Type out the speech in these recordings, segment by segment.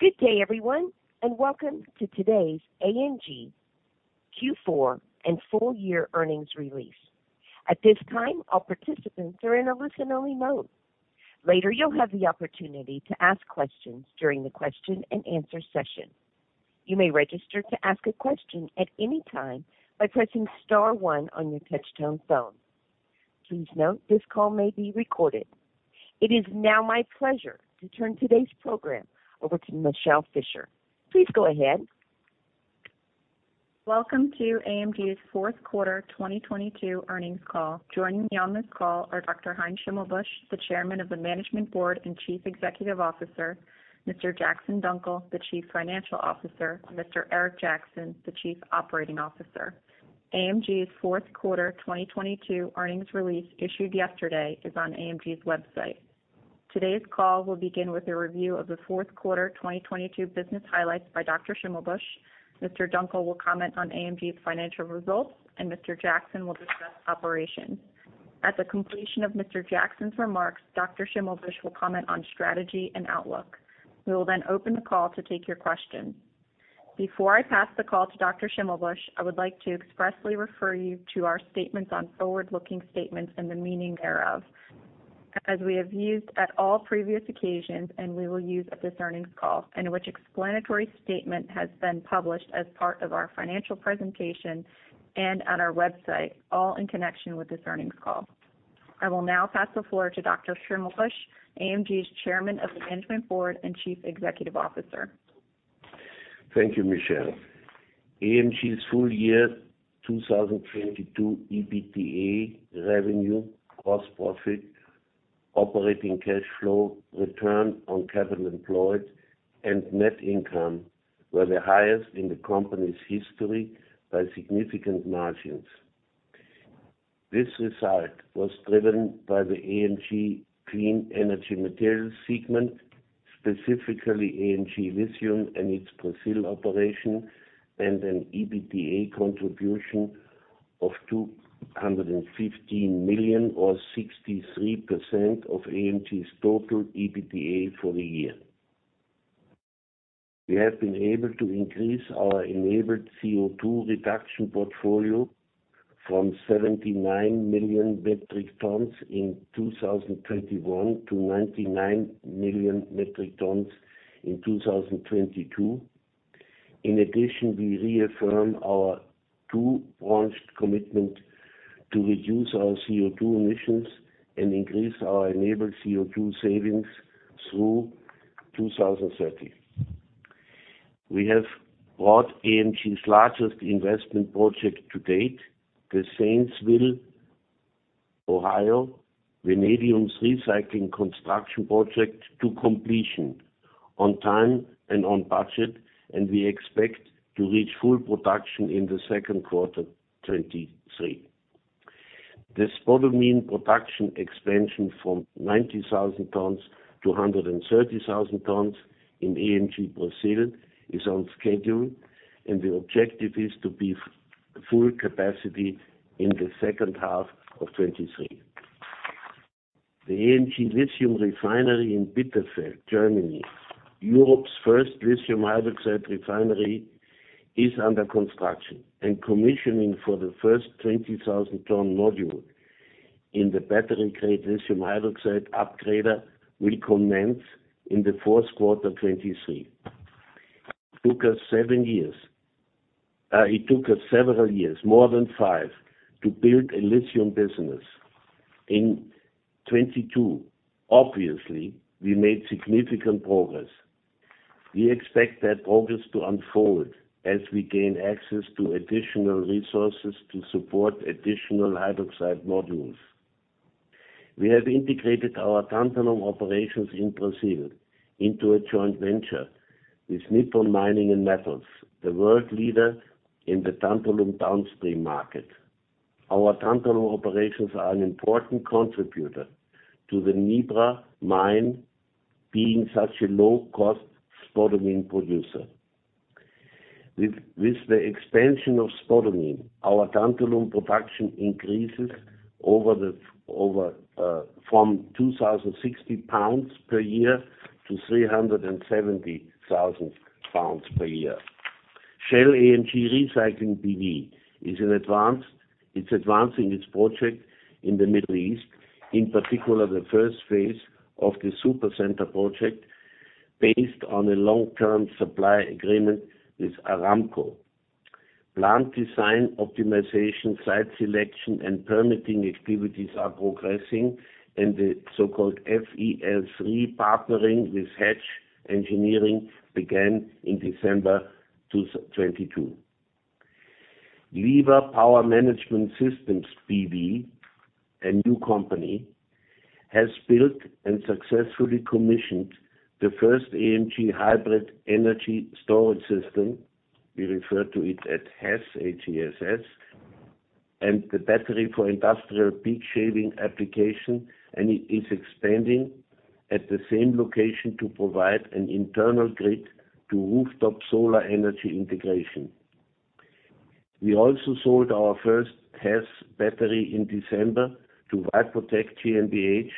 Good day, everyone. Welcome to today's AMG Q4 and full year earnings release. At this time, all participants are in a listen-only mode. Later, you'll have the opportunity to ask questions during the question-and-answer session. You may register to ask a question at any time by pressing star one on your touchtone phone. Please note this call may be recorded. It is now my pleasure to turn today's program over to Michele Fischer. Please go ahead. Welcome to AMG's fourth quarter 2022 earnings call. Joining me on this call are Dr. Heinz Schimmelbusch, the Chairman of the Management Board and Chief Executive Officer. Mr. Jackson Dunckel, the Chief Financial Officer. Mr. Eric Jackson, the Chief Operating Officer. AMG's fourth quarter 2022 earnings release, issued yesterday, is on AMG's website. Today's call will begin with a review of the fourth quarter 2022 business highlights by Dr. Schimmelbusch. Mr. Dunckel will comment on AMG's financial results, and Mr. Jackson will discuss operations. At the completion of Mr. Jackson's remarks, Dr. Schimmelbusch will comment on strategy and outlook. We will open the call to take your questions. Before I pass the call to Dr. Schimmelbusch, I would like to expressly refer you to our statements on forward-looking statements and the meaning thereof, as we have used at all previous occasions, and we will use at this earnings call and which explanatory statement has been published as part of our financial presentation and on our website, all in connection with this earnings call. I will now pass the floor to Dr. Schimmelbusch, AMG's Chairman of the Management Board and Chief Executive Officer. Thank you, Michelle. AMG's full year 2022 EBITDA revenue, gross profit, operating cash flow, return on capital employed, and net income were the highest in the company's history by significant margins. This result was driven by the AMG Clean Energy Materials segment, specifically AMG Lithium and its Brazil operation, and an EBITDA contribution of $215 million or 63% of AMG's total EBITDA for the year. We have been able to increase our enabled CO2 reduction portfolio from 79 million metric tons in 2021 to 99 million metric tons in 2022. In addition, we reaffirm our two launched commitment to reduce our CO2 emissions and increase our enabled CO2 savings through 2030. We have brought AMG's largest investment project to date, the Zanesville, Ohio vanadium's recycling construction project to completion on time and on budget, and we expect to reach full production in the second quarter 2023. The spodumene production expansion from 90,000 tons to 130,000 tons in AMG Brazil is on schedule and the objective is to be full capacity in the second half of 2023. The AMG Lithium refinery in Bitterfeld, Germany, Europe's first lithium hydroxide refinery, is under construction and commissioning for the first 20,000 ton module in the battery-grade lithium hydroxide upgrader will commence in the fourth quarter 2023. It took us several years, more than five, to build a lithium business. In 2022, obviously, we made significant progress. We expect that progress to unfold as we gain access to additional resources to support additional hydroxide modules. We have integrated our tantalum operations in Brazil into a joint venture with Nippon Mining & Metals, the world leader in the tantalum downstream market. Our tantalum operations are an important contributor to the Mibra Mine being such a low-cost spodumene producer. With the expansion of spodumene, our tantalum production increases from 2,060 lbs per year to 370,000 lbs per year. Shell & AMG Recycling B.V. is advancing its project in the Middle East, in particular, the first phase of the Supercenter project based on a long-term supply agreement with Aramco. Plant design, optimization, site selection, and permitting activities are progressing. The so-called FEL3 partnering with Hatch began in December 2022. LIVA Power Management Systems GmbH, a new company, has built and successfully commissioned the first AMG hybrid energy storage system. We refer to it as HESS, H-E-S-S, and the battery for industrial peak shaving application. It is expanding at the same location to provide an internal grid to rooftop solar energy integration. We also sold our first HESS battery in December to WIPO GmbH.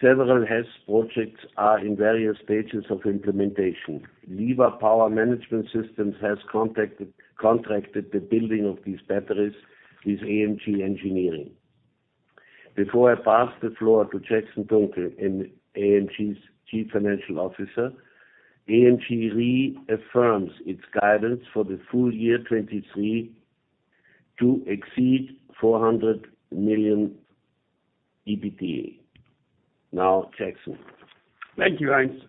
Several HESS projects are in various stages of implementation. LIVA Power Management Systems has contracted the building of these batteries with AMG Engineering. Before I pass the floor to Jackson Dunckel, AMG's Chief Financial Officer, AMG reaffirms its guidance for the full year 2023 to exceed $400 million EBITDA. Jackson. Thank you, Heinz.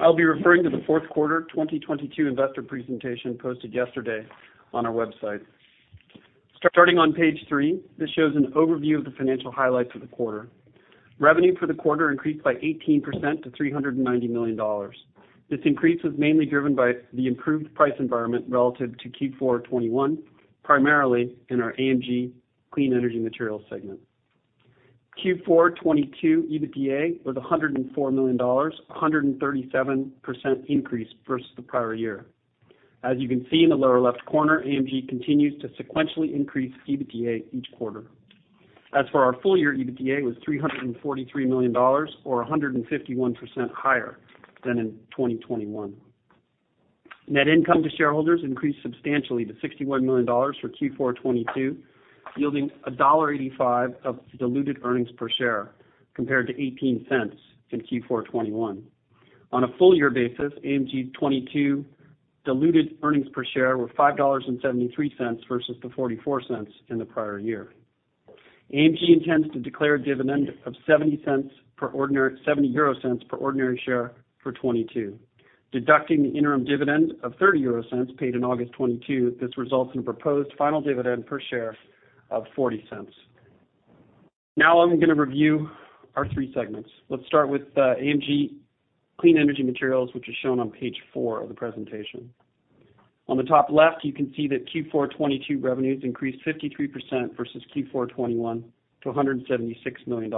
I'll be referring to the fourth quarter 2022 investor presentation posted yesterday on our website. Starting on page three, this shows an overview of the financial highlights of the quarter. Revenue for the quarter increased by 18% to $390 million. This increase was mainly driven by the improved price environment relative to Q4 2021, primarily in our AMG Clean Energy Materials segment. Q4 2022 EBITDA was $104 million, a 137% increase versus the prior year. You can see in the lower left corner, AMG continues to sequentially increase EBITDA each quarter. For our full year, EBITDA was $343 million or 151% higher than in 2021. Net income to shareholders increased substantially to $61 million for Q4 2022, yielding $1.85 of diluted earnings per share compared to $0.18 in Q4 2021. On a full year basis, AMG 2022 diluted earnings per share were $5.73 versus the $0.44 in the prior year. AMG intends to declare a dividend of 0.07 per ordinary share for 2022. Deducting the interim dividend of 0.30 paid in August 2022, this results in a proposed final dividend per share of 0.40. I'm gonna review our three segments. Let's start with AMG Clean Energy Materials, which is shown on page four of the presentation. On the top left, you can see that Q4 2022 revenues increased 53% versus Q4 2021 to $176 million.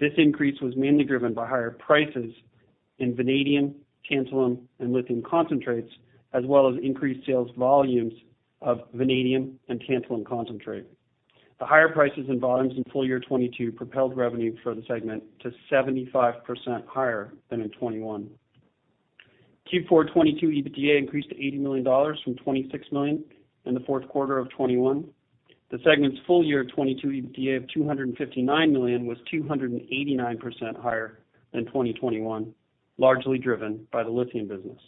This increase was mainly driven by higher prices in vanadium, tantalum, and lithium concentrates, as well as increased sales volumes of vanadium and tantalum concentrate. The higher prices and volumes in full year 2022 propelled revenue for the segment to 75% higher than in 2021. Q4 2022 EBITDA increased to $80 million from $26 million in the fourth quarter of 2021. The segment's full year of 2022 EBITDA of $259 million was 289% higher than 2021, largely driven by the lithium business.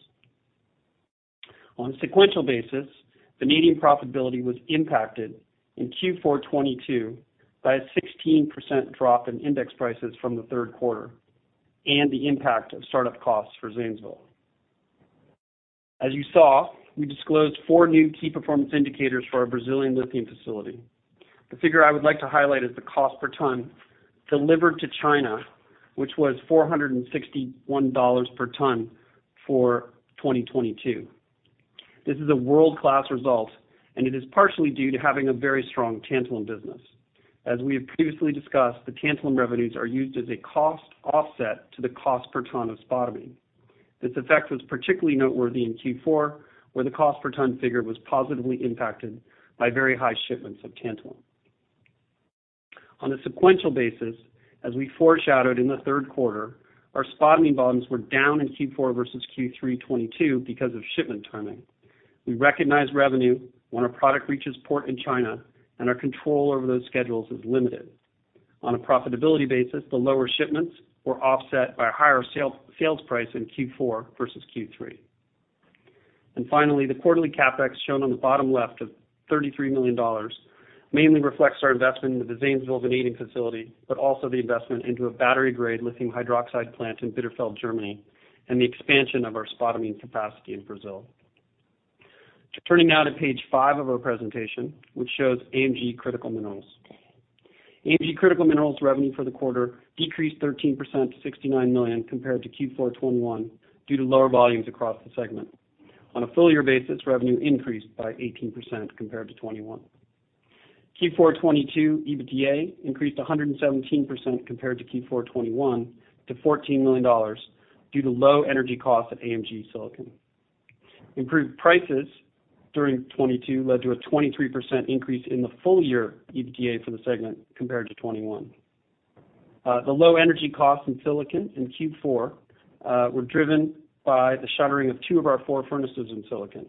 On a sequential basis, vanadium profitability was impacted in Q4 2022 by a 16% drop in index prices from the third quarter and the impact of startup costs for Zanesville. As you saw, we disclosed four new key performance indicators for our Brazilian lithium facility. The figure I would like to highlight is the cost per ton delivered to China, which was $461 per ton for 2022. This is a world-class result. It is partially due to having a very strong tantalum business. As we have previously discussed, the tantalum revenues are used as a cost offset to the cost per ton of spodumene. This effect was particularly noteworthy in Q4, where the cost per ton figure was positively impacted by very high shipments of tantalum. On a sequential basis, as we foreshadowed in the third quarter, our spodumene volumes were down in Q4 versus Q3 2022 because of shipment timing. We recognize revenue when a product reaches port in China. Our control over those schedules is limited. On a profitability basis, the lower shipments were offset by a higher sales price in Q4 versus Q3. Finally, the quarterly CapEx shown on the bottom left of $33 million mainly reflects our investment into the Zanesville vanadium facility, but also the investment into a battery-grade lithium hydroxide plant in Bitterfeld, Germany, and the expansion of our spodumene capacity in Brazil. Turning now to page five of our presentation, which shows AMG Critical Minerals. AMG Critical Minerals revenue for the quarter decreased 13% to $69 million, compared to Q4 2021, due to lower volumes across the segment. On a full year basis, revenue increased by 18% compared to 2021. Q4 2022 EBITDA increased 117% compared to Q4 2021 to $14 million due to low energy costs at AMG Silicon. Improved prices during 2022 led to a 23% increase in the full year EBITDA for the segment compared to 2021. The low energy costs in silicon in Q4 were driven by the shuttering of two of our four furnaces in silicon.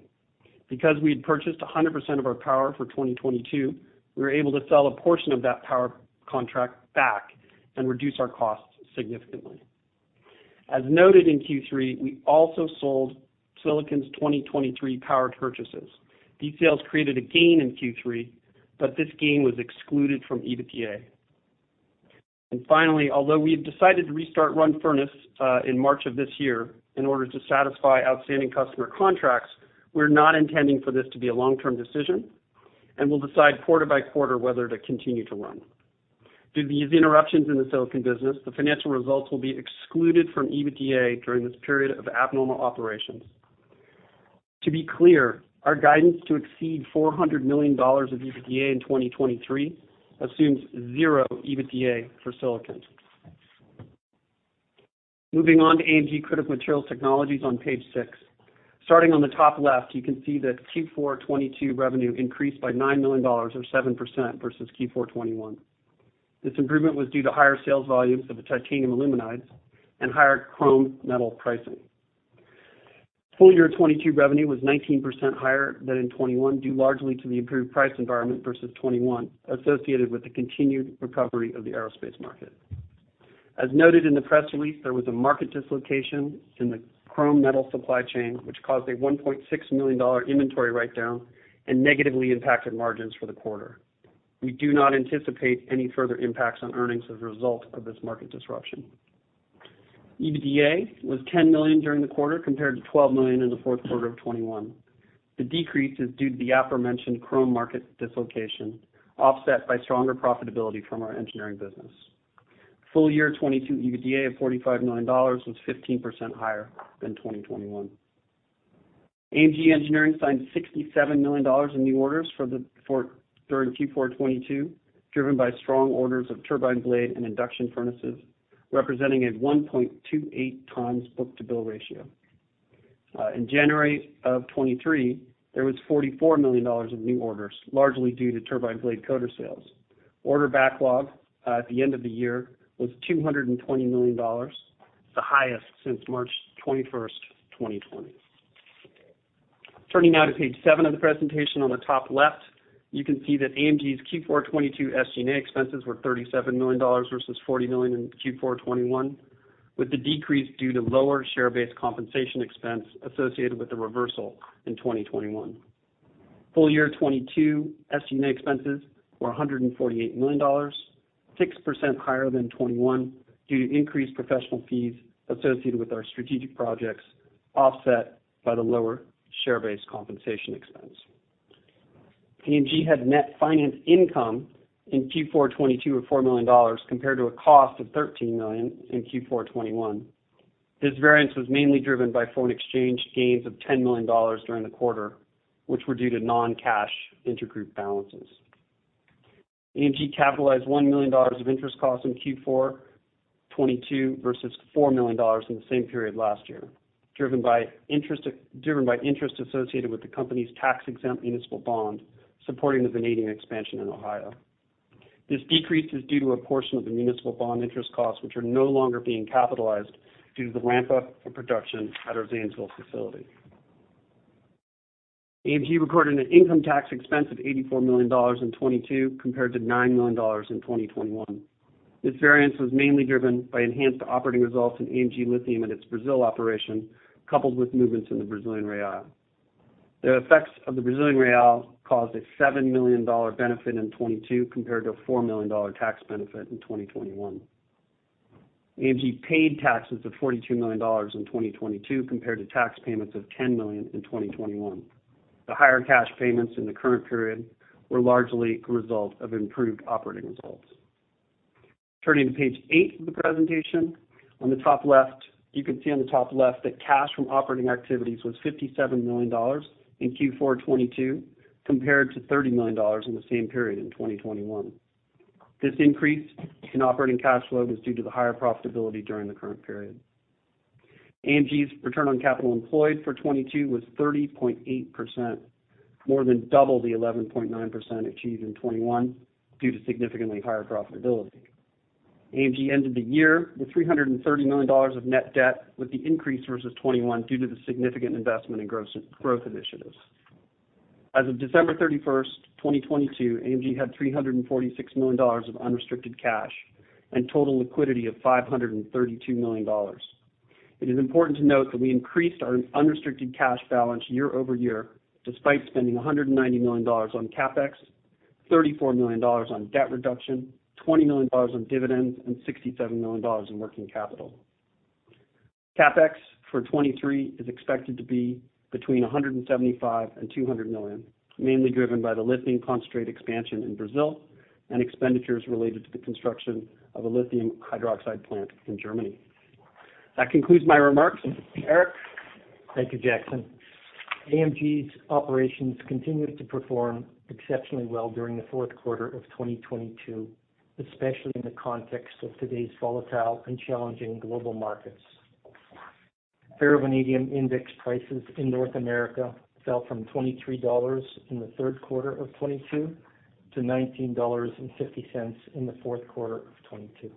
Because we had purchased 100% of our power for 2022, we were able to sell a portion of that power contract back and reduce our costs significantly. As noted in Q3, we also sold silicon's 2023 power purchases. These sales created a gain in Q3, but this gain was excluded from EBITDA. Finally, although we have decided to restart one furnace in March of this year in order to satisfy outstanding customer contracts, we're not intending for this to be a long-term decision, and we'll decide quarter by quarter whether to continue to run. Due to these interruptions in the silicon business, the financial results will be excluded from EBITDA during this period of abnormal operations. To be clear, our guidance to exceed $400 million of EBITDA in 2023 assumes zero EBITDA for silicon. Moving on to AMG Critical Materials Technologies on page six. Starting on the top left, you can see that Q4 2022 revenue increased by $9 million or 7% versus Q4 2022. This improvement was due to higher sales volumes of the titanium aluminides and higher chrome metal pricing. Full year 2022 revenue was 19% higher than in 2021, due largely to the improved price environment versus 2021, associated with the continued recovery of the aerospace market. As noted in the press release, there was a market dislocation in the chrome metal supply chain, which caused a $1.6 million inventory write-down and negatively impacted margins for the quarter. We do not anticipate any further impacts on earnings as a result of this market disruption. EBITDA was $10 million during the quarter, compared to $12 million in the fourth quarter of 2021. The decrease is due to the aforementioned chrome market dislocation, offset by stronger profitability from our engineering business. Full year 2022 EBITDA of $45 million was 15% higher than 2021. AMG Engineering signed $67 million in new orders for during Q4 2022, driven by strong orders of turbine blade and induction furnaces, representing a 1.28 times book-to-bill ratio. In January of 2023, there was $44 million of new orders, largely due to turbine blade coder sales. Order backlog at the end of the year was $220 million, the highest since March 21st, 2020. Turning now to page seven of the presentation on the top left, you can see that AMG's Q4 2022 SG&A expenses were $37 million versus $40 million in Q4 2021, with the decrease due to lower share-based compensation expense associated with the reversal in 2021. Full year 2022 SG&A expenses were $148 million, 6% higher than 2021 due to increased professional fees associated with our strategic projects, offset by the lower share-based compensation expense. AMG had net finance income in Q4 2022 of $4 million compared to a cost of $13 million in Q4 2021. This variance was mainly driven by foreign exchange gains of $10 million during the quarter, which were due to non-cash intergroup balances. AMG capitalized $1 million of interest costs in Q4 2022 versus $4 million in the same period last year, driven by interest associated with the company's tax-exempt municipal bond supporting the vanadium expansion in Ohio. This decrease is due to a portion of the municipal bond interest costs which are no longer being capitalized due to the ramp-up in production at our Zanesville facility. AMG recorded an income tax expense of $84 million in 2022, compared to $9 million in 2021. This variance was mainly driven by enhanced operating results in AMG Lithium and its Brazil operation, coupled with movements in the Brazilian real. The effects of the Brazilian real caused a $7 million benefit in 2022 compared to a $4 million tax benefit in 2021. AMG paid taxes of $42 million in 2022 compared to tax payments of $10 million in 2021. The higher cash payments in the current period were largely a result of improved operating results. Turning to page eight of the presentation. You can see on the top left that cash from operating activities was $57 million in Q4 2022 compared to $30 million in the same period in 2021. This increase in operating cash flow was due to the higher profitability during the current period. AMG's return on capital employed for 2022 was 30.8%, more than double the 11.9% achieved in 2021 due to significantly higher profitability. AMG ended the year with $330 million of net debt, with the increase versus 2021 due to the significant investment in growth initiatives. As of December 31st, 2022, AMG had $346 million of unrestricted cash and total liquidity of $532 million. It is important to note that we increased our unrestricted cash balance year-over-year despite spending $190 million on CapEx, $34 million on debt reduction, $20 million on dividends, and $67 million in working capital. CapEx for 2023 is expected to be between $175 million and $200 million, mainly driven by the lithium concentrate expansion in Brazil and expenditures related to the construction of a lithium hydroxide plant in Germany. That concludes my remarks. Eric? Thank you, Jackson. AMG's operations continued to perform exceptionally well during the fourth quarter of 2022, especially in the context of today's volatile and challenging global markets. Ferrovanadium index prices in North America fell from $23 in the third quarter of 2022 to $19.50 in the fourth quarter of 2022.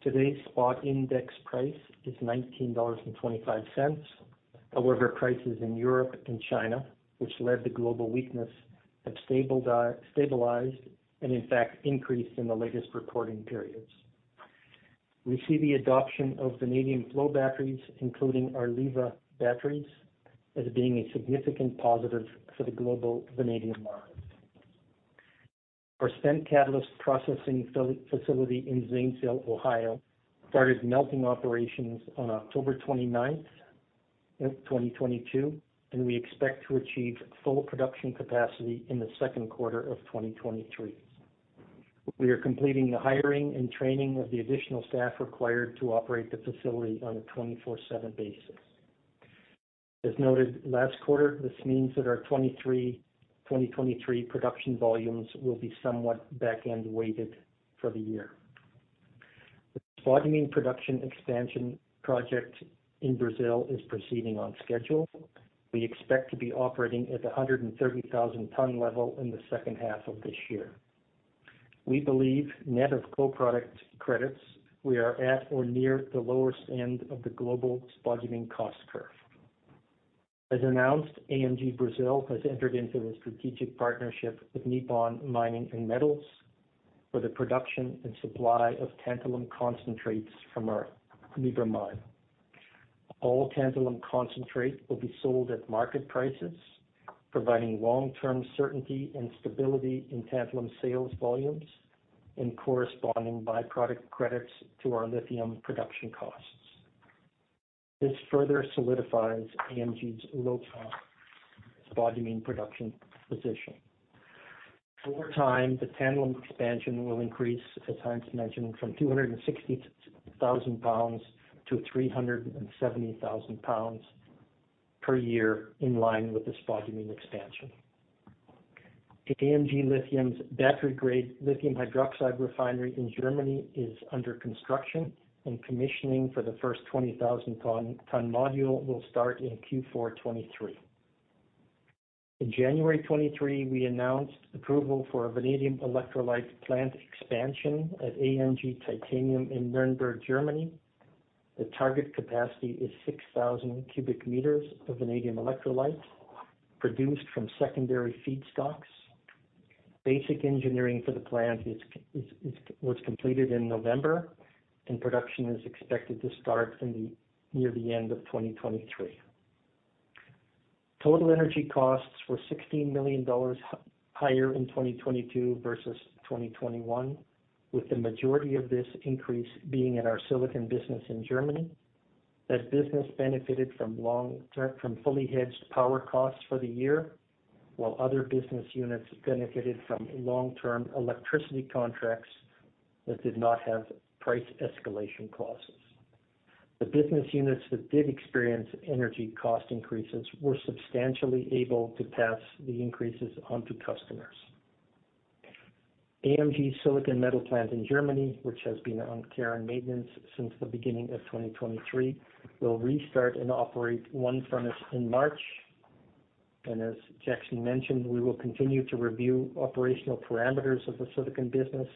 Today's spot index price is $19.25. Prices in Europe and China, which led to global weakness, have stabilized and in fact increased in the latest reporting periods. We see the adoption of vanadium flow batteries, including our LIVA batteries, as being a significant positive for the global vanadium market. Our spent catalyst processing facility in Zanesville, Ohio, started melting operations on October 29th, 2022, we expect to achieve full production capacity in the second quarter of 2023. We are completing the hiring and training of the additional staff required to operate the facility on a 24/7 basis. As noted last quarter, this means that our 2023 production volumes will be somewhat back-end weighted for the year. The spodumene production expansion project in Brazil is proceeding on schedule. We expect to be operating at the 130,000 ton level in the second half of this year. We believe net of co-product credits we are at or near the lowest end of the global spodumene cost curve. As announced, AMG Brazil has entered into a strategic partnership with Nippon Mining and Metals for the production and supply of tantalum concentrates from our Mibra Mine. All tantalum concentrate will be sold at market prices, providing long-term certainty and stability in tantalum sales volumes and corresponding byproduct credits to our lithium production costs. This further solidifies AMG's low-cost spodumene production position. Over time, the tantalum expansion will increase, as Heinz mentioned, from 260,000 pounds to 370,000 lbs per year, in line with the spodumene expansion. AMG Lithium's battery-grade lithium hydroxide refinery in Germany is under construction and commissioning for the first 20,000 ton module will start in Q4 2023. In January 2023, we announced approval for a vanadium electrolyte plant expansion at AMG Titanium in Nürnberg, Germany. The target capacity is 6,000 cu m of vanadium electrolyte produced from secondary feedstocks. Basic engineering for the plant was completed in November, and production is expected to start near the end of 2023. Total energy costs were $16 million higher in 2022 versus 2021, with the majority of this increase being in our silicon business in Germany. That business benefited from long-term from fully hedged power costs for the year, while other business units benefited from long-term electricity contracts that did not have price escalation clauses. The business units that did experience energy cost increases were substantially able to pass the increases on to customers. AMG Silicon metal plant in Germany, which has been on care and maintenance since the beginning of 2023, will restart and operate one furnace in March. As Jackson mentioned, we will continue to review operational parameters of the silicon business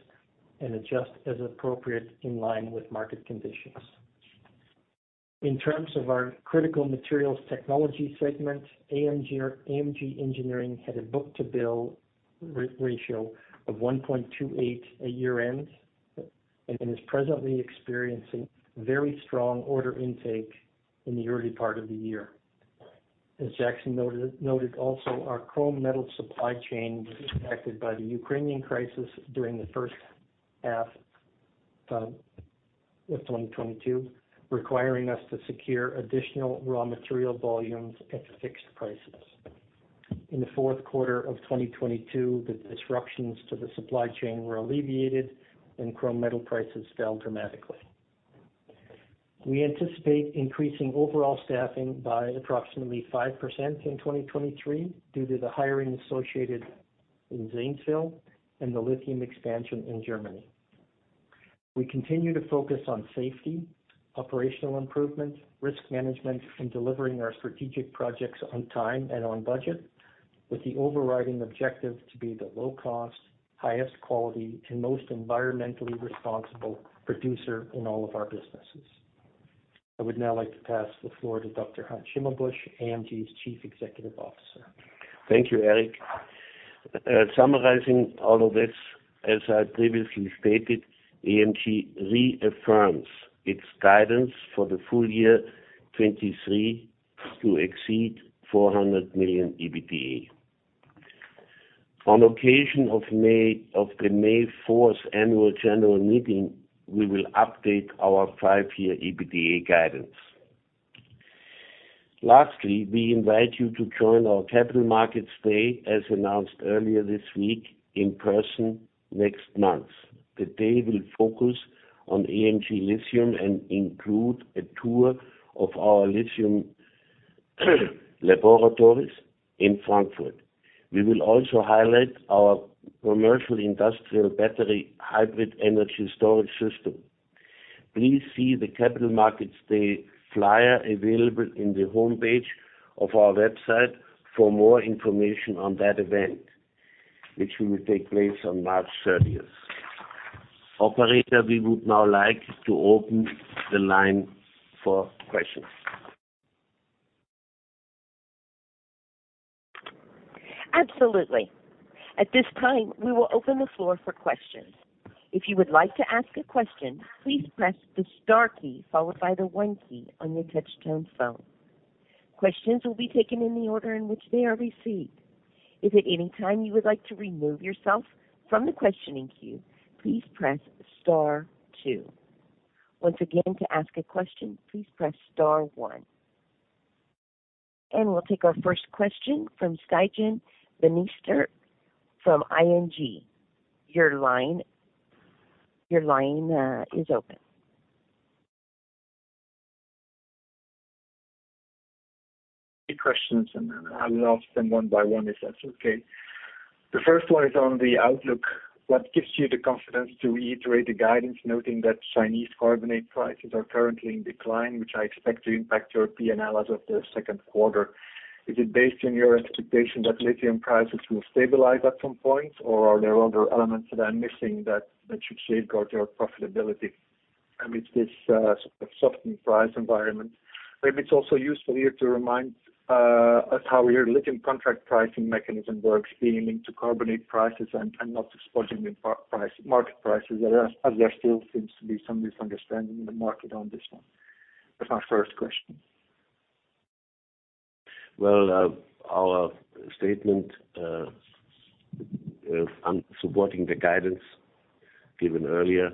and adjust as appropriate in line with market conditions. In terms of our Critical Materials Technologies segment, AMG Engineering had a book-to-bill ratio of 1.28 at year-end and is presently experiencing very strong order intake in the early part of the year. As Jackson noted also, our chrome metal supply chain was affected by the Ukrainian crisis during the first half of 2022, requiring us to secure additional raw material volumes at fixed prices. In the fourth quarter of 2022, the disruptions to the supply chain were alleviated and chrome metal prices fell dramatically. We anticipate increasing overall staffing by approximately 5% in 2023 due to the hiring associated in Zanesville and the lithium expansion in Germany. We continue to focus on safety, operational improvement, risk management, and delivering our strategic projects on time and on budget, with the overriding objective to be the low cost, highest quality and most environmentally responsible producer in all of our businesses. I would now like to pass the floor to Dr. Heinz Schimmelbusch, AMG's Chief Executive Officer. Thank you, Eric. Summarizing all of this, as I previously stated, AMG reaffirms its guidance for the full year 2023 to exceed $400 million EBITDA. On occasion of the May 4 Annual General Meeting, we will update our five-year EBITDA guidance. Lastly, we invite you to join our Capital Markets Day, as announced earlier this week, in person next month. The day will focus on AMG Lithium and include a tour of our lithium laboratories in Frankfurt. We will also highlight our commercial industrial battery hybrid energy storage system. Please see the Capital Markets Day flyer available in the homepage of our website for more information on that event, which will take place on March 30. Operator, we would now like to open the line for questions. Absolutely. At this time, we will open the floor for questions. If you would like to ask a question, please press the star key followed by the one key on your touch-tone phone. Questions will be taken in the order in which they are received. If at any time you would like to remove yourself from the questioning queue, please press star 2. Once again, to ask a question, please press star 1. We'll take our first question from Stijn Demeester from ING. Your line is open. Questions. I will ask them one by one if that's okay. The first one is on the outlook. What gives you the confidence to reiterate the guidance, noting that Chinese carbonate prices are currently in decline, which I expect to impact your P&L as of the second quarter? Is it based on your expectation that lithium prices will stabilize at some point, or are there other elements that I'm missing that should safeguard your profitability amidst this sort of softening price environment? Maybe it's also useful here to remind us how your lithium contract pricing mechanism works, being into carbonate prices and not exposing the market prices, as there still seems to be some misunderstanding in the market on this one. That's my first question. Our statement on supporting the guidance given earlier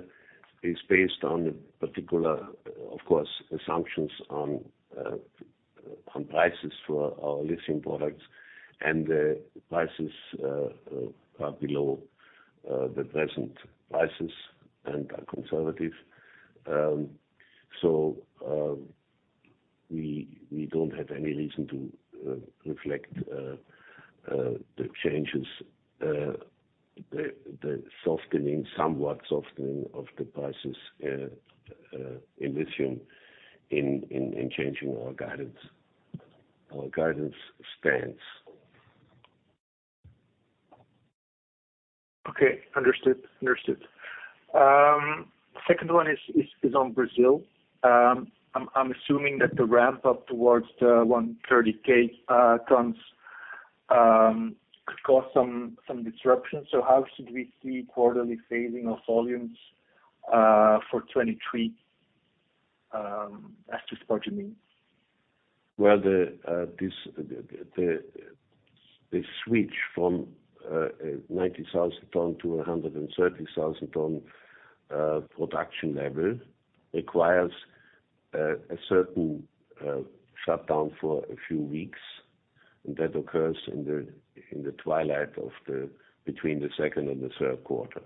is based on particular, of course, assumptions on prices for our lithium products and prices below the present prices and are conservative. We don't have any reason to reflect the changes the softening, somewhat softening of the prices in lithium in changing our guidance. Our guidance stands. Okay. Understood. Understood. Second one is on Brazil. I'm assuming that the ramp up towards the 130K tons could cause some disruptions. How should we see quarterly phasing of volumes for 2023 as to spodumene? Well, this, the switch from 90,000 ton to 130,000 ton production level requires a certain shutdown for a few weeks. That occurs in the twilight of the, between the second and the third quarter.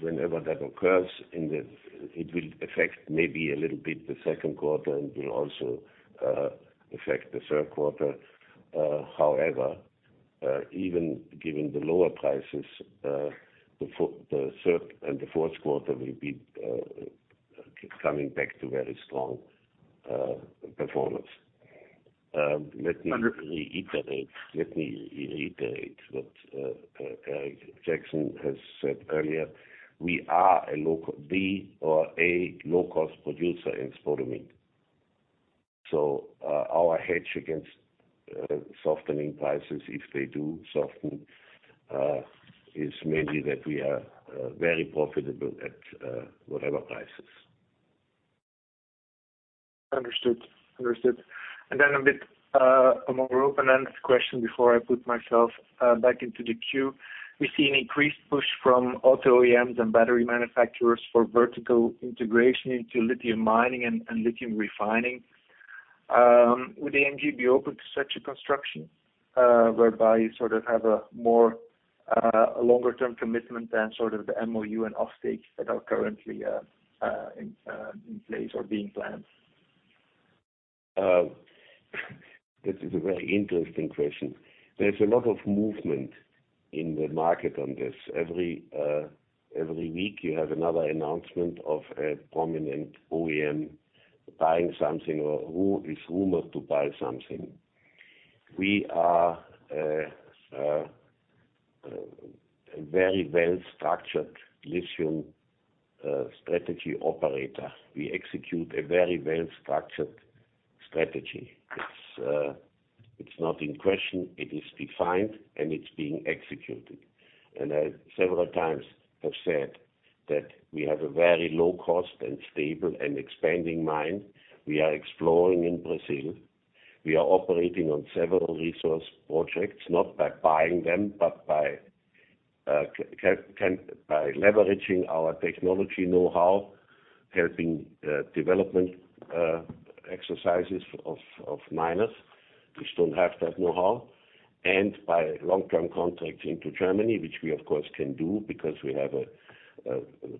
Whenever that occurs, it will affect maybe a little bit the second quarter and will also affect the third quarter. However, even given the lower prices, the third and the fourth quarter will be coming back to very strong performance. Under- Let me reiterate what Jackson has said earlier. We are a low cost producer in spodumene. Our hedge against softening prices if they do soften, is mainly that we are very profitable at whatever prices. Understood. Understood. A bit, a more open-ended question before I put myself back into the queue. We see an increased push from auto OEMs and battery manufacturers for vertical integration into lithium mining and lithium refining. Would AMG be open to such a construction, whereby you sort of have a more, longer term commitment than sort of the MOU and off takes that are currently in place or being planned? This is a very interesting question. There's a lot of movement in the market on this. Every week, you have another announcement of a prominent OEM buying something or is rumored to buy something. We are a very well-structured lithium strategy operator. We execute a very well-structured strategy. It's not in question. It is defined, and it's being executed. I several times have said that we have a very low cost and stable and expanding mine. We are exploring in Brazil. We are operating on several resource projects, not by buying them, but by can, by leveraging our technology know-how, helping development exercises of miners, which don't have that know-how, and by long-term contracts into Germany, which we, of course, can do because we have a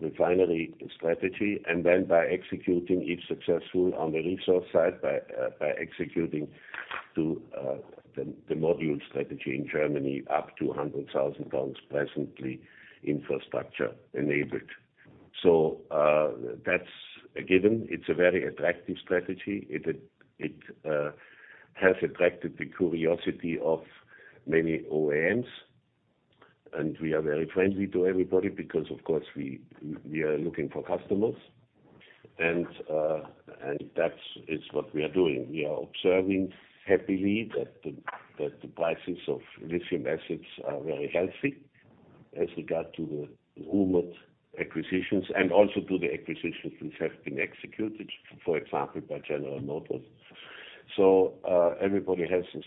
refinery strategy. By executing each successful on the resource side by executing to the module strategy in Germany, up to 100,000 tons presently infrastructure enabled. That's a given. It's a very attractive strategy. It has attracted the curiosity of many OEMs, and we are very friendly to everybody because, of course, we are looking for customers. That is what we are doing. We are observing happily that the prices of lithium acids are very healthy as regard to the rumored acquisitions and also to the acquisitions which have been executed, for example, by General Motors. Everybody has since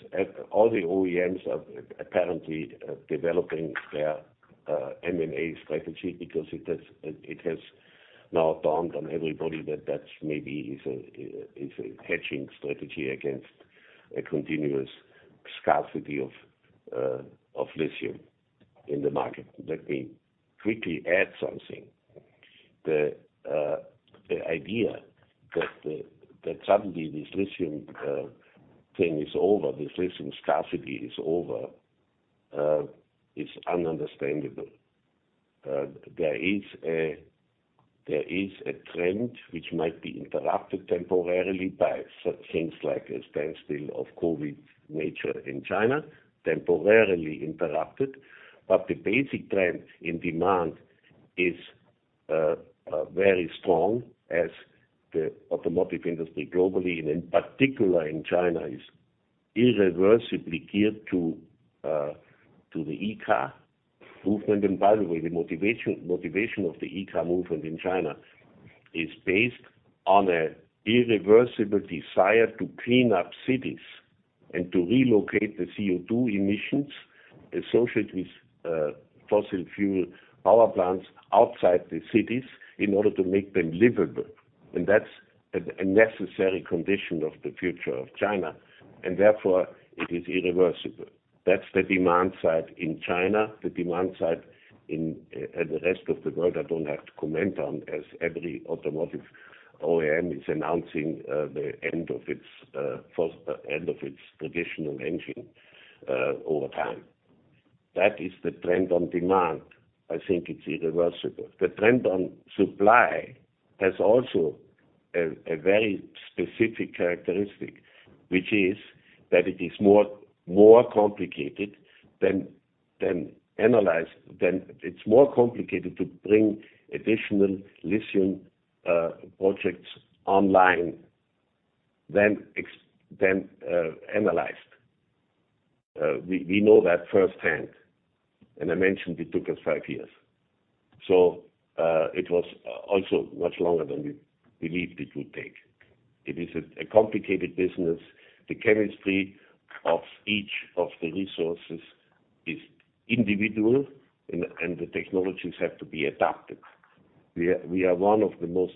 all the OEMs are apparently developing their M&A strategy because it has now dawned on everybody that that maybe is a hedging strategy against a continuous scarcity of lithium in the market. Let me quickly add something. The idea that that suddenly this lithium thing is over, this lithium scarcity is over, is ununderstandable. There is a trend which might be interrupted temporarily by such things like a standstill of COVID nature in China, temporarily interrupted. The basic trend in demand is very strong as the automotive industry globally and in particular in China, is irreversibly geared to the e-car movement. By the way, the motivation of the e-car movement in China is based on an irreversible desire to clean up cities and to relocate the CO2 emissions associated with fossil fuel power plants outside the cities in order to make them livable. That's a necessary condition of the future of China, and therefore it is irreversible. That's the demand side in China. The demand side in the rest of the world, I don't have to comment on, as every automotive OEM is announcing the end of its traditional engine over time. That is the trend on demand. I think it's irreversible. The trend on supply has also a very specific characteristic, which is that it is more complicated than analyzed. It's more complicated to bring additional lithium projects online than analyzed. We know that firsthand, and I mentioned it took us five years. It was also much longer than we believed it would take. It is a complicated business. The chemistry of each of the resources is individual and the technologies have to be adapted. We are one of the most...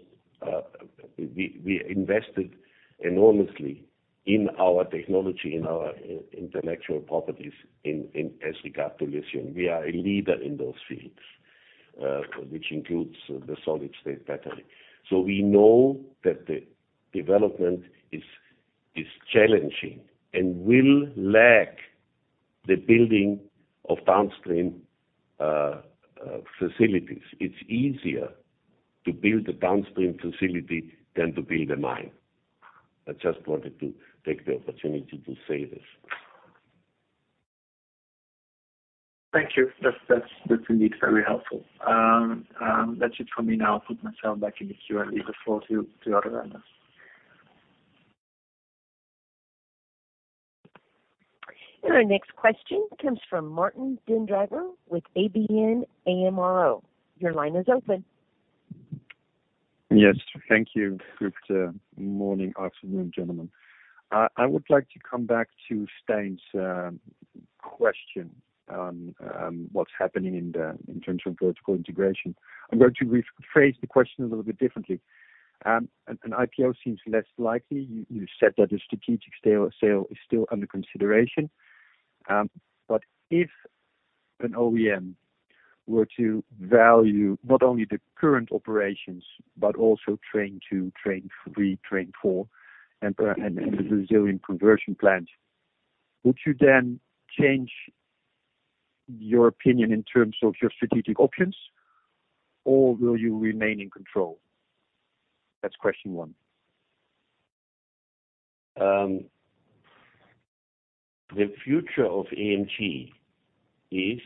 We invested enormously in our technology, in our intellectual properties, in as regard to lithium. We are a leader in those fields, which includes the solid-state battery. We know that the development is challenging and will lag the building of downstream facilities. It's easier to build a downstream facility than to build a mine. I just wanted to take the opportunity to say this. Thank you. That's indeed very helpful. That's it for me now. I'll put myself back in the queue and leave the floor to other analysts. Our next question comes from Martijn den Drijver with ABN AMRO. Your line is open. Yes. Thank you. Good morning, afternoon, gentlemen. I would like to come back to Stijn's question on what's happening in terms of vertical integration. I'm going to rephrase the question a little bit differently. An IPO seems less likely. You said that a strategic sale is still under consideration. If an OEM were to value not only the current operations but also train 2, train 3, train 4, and the Brazilian conversion plant, would you then change your opinion in terms of your strategic options? Will you remain in control? That's question one. The future of AMG is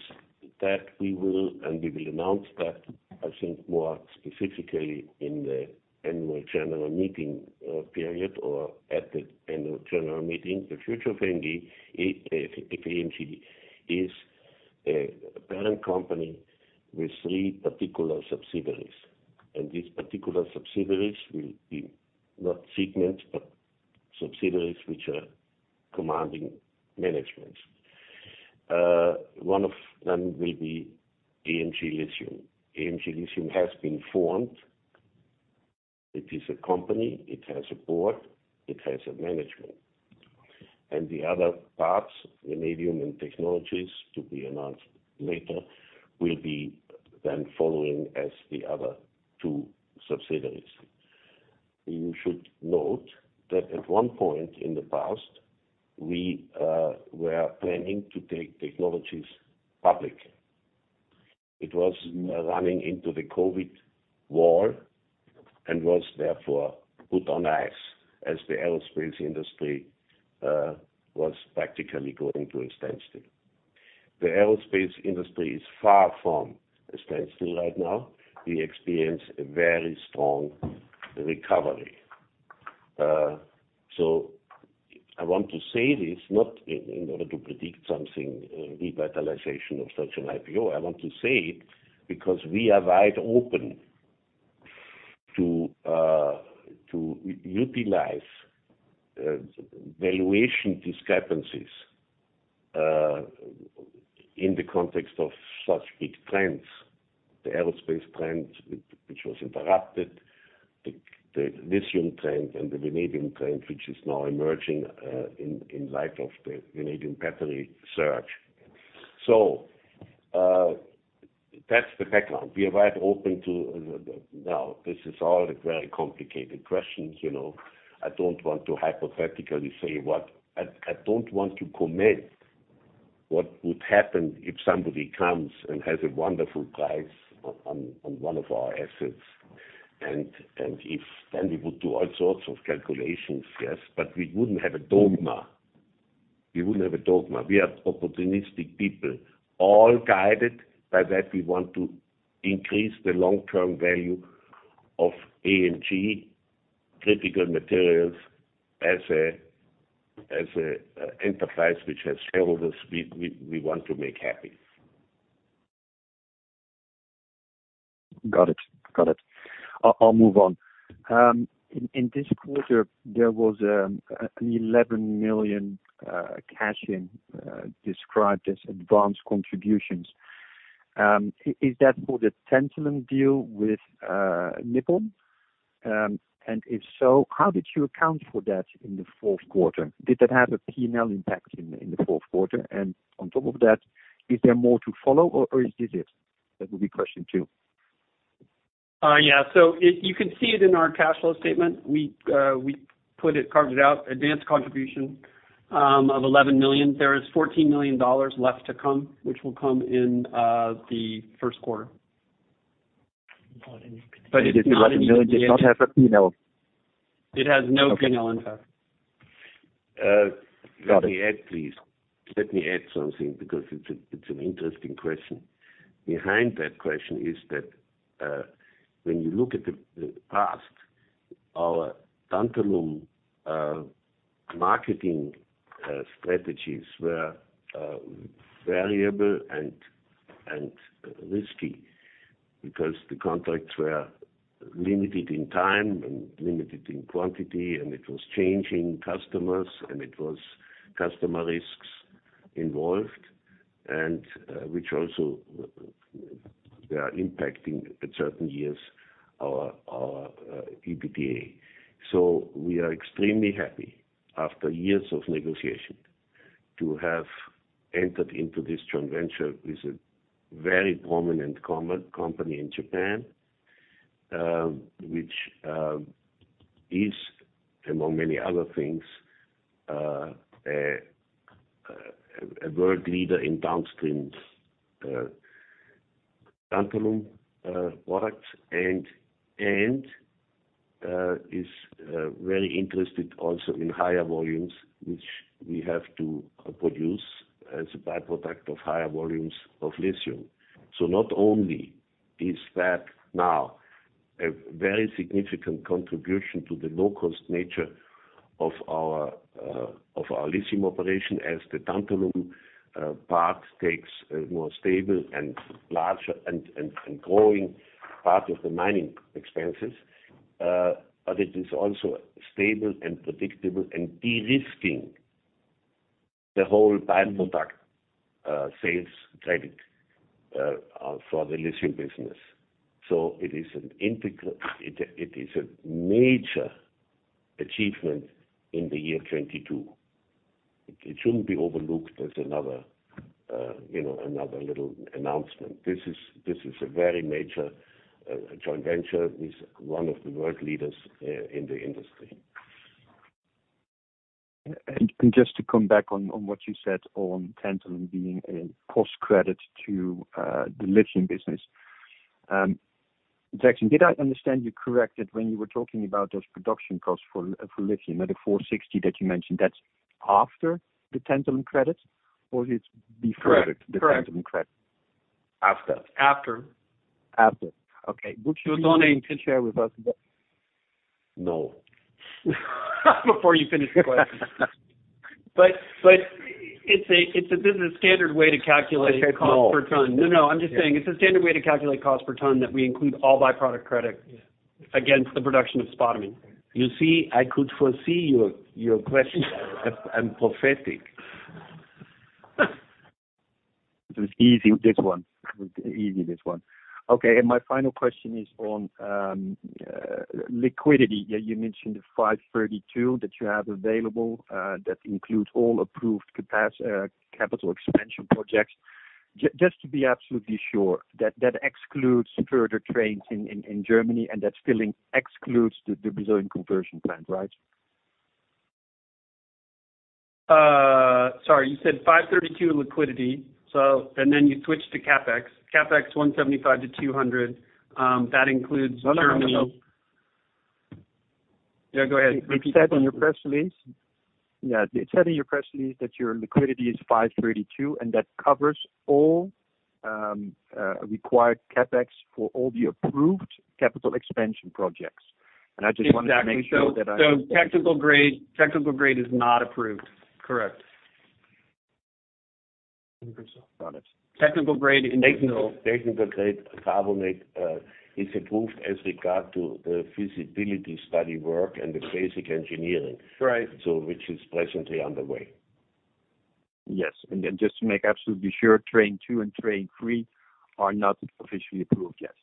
that we will, and we will announce that, I think more specifically in the Annual General Meeting period or at the Annual General Meeting. The future of AMG is a parent company with three particular subsidiaries, and these particular subsidiaries will be not segments, but subsidiaries which are commanding managements. One of them will be AMG Lithium. AMG Lithium has been formed. It is a company. It has a board. It has a management. The other parts, Illudium Technologies, to be announced later, will be then following as the other two subsidiaries. You should note that at one point in the past, we were planning to take Technologies public. It was running into the COVID war and was therefore put on ice as the aerospace industry was practically going to a standstill. The aerospace industry is far from a standstill right now. We experience a very strong recovery. I want to say this not in order to predict something, revitalization of such an IPO. I want to say it because we are wide open to utilize valuation discrepancies in the context of such big trends, the aerospace trend which was interrupted, the lithium trend and the vanadium trend, which is now emerging, in light of the vanadium battery surge. That's the background. We are wide open to... Now, this is all very complicated questions, you know. I don't want to hypothetically say what. I don't want to commit what would happen if somebody comes and has a wonderful price on one of our assets. And if... we would do all sorts of calculations, yes. We wouldn't have a dogma. We are opportunistic people, all guided by that we want to increase the long-term value of AMG Critical Materials as a enterprise which has shareholders we want to make happy. Got it. I'll move on. In this quarter, there was an $11 million cash-in described as advanced contributions. Is that for the tantalum deal with Nippon? If so, how did you account for that in the fourth quarter? Did that have a P&L impact in the fourth quarter? On top of that, is there more to follow, or is this it? That will be question two. Yeah. You can see it in our cash flow statement. We put it, carved it out, advanced contribution, of $11 million. There is $14 million left to come, which will come in the first quarter. It's $11 million. Does not have a P&L. It has no P&L impact. Okay. Uh- Got it. Let me add, please. Let me add something because it's an interesting question. Behind that question is that when you look at the past, our tantalum marketing strategies were variable and risky because the contracts were limited in time and limited in quantity, and it was changing customers, and it was customer risks involved, and which also they are impacting at certain years our EBITDA. We are extremely happy, after years of negotiation, to have entered into this joint venture with a very prominent company in Japan, which is, among many other things, a world leader in downstream tantalum products and is very interested also in higher volumes, which we have to produce as a by-product of higher volumes of lithium. Not only is that now a very significant contribution to the low-cost nature of our lithium operation as the tantalum part takes a more stable and larger and growing part of the mining expenses, but it is also stable and predictable and de-risking the whole by-product sales credit for the lithium business. It is a major achievement in the year 2022. It shouldn't be overlooked as another, you know, another little announcement. This is a very major joint venture with one of the world leaders in the industry. Just to come back on what you said on tantalum being a cost credit to the lithium business. Jackson, did I understand you correct that when you were talking about those production costs for lithium at the $460 that you mentioned, that's after the tantalum credit, or it's before? Correct. The tantalum credit? After. After. After. Okay. You're the only. -care to share with us the- No. Before you finish the question. This is a standard way to calculate- Okay. No. Cost per ton. No, no, I'm just saying it's a standard way to calculate cost per ton, that we include all by-product credit. Yeah. Against the production of spodumene. You see, I could foresee your question. I'm prophetic. It was easy, this one. My final question is on liquidity. Yeah, you mentioned the $532 that you have available that includes all approved capital expansion projects. Just to be absolutely sure, that excludes further trains in Germany, and that still includes the Brazilian conversion plant, right? Sorry. You said $532 liquidity. You switched to CapEx. CapEx $175-$200. That includes Germany- No, no. Yeah, go ahead. Repeat the question. It said in your press release. Yeah. It said in your press release that your liquidity is $532, and that covers all required CapEx for all the approved capital expansion projects. I just wanted to make sure that. Exactly. technical grade is not approved. Correct. Technical grade. Technical grade carbonate is approved as regard to the feasibility study work and the basic engineering. Right. Which is pleasantly underway. Yes. Then just to make absolutely sure, train two and train three are not officially approved yet?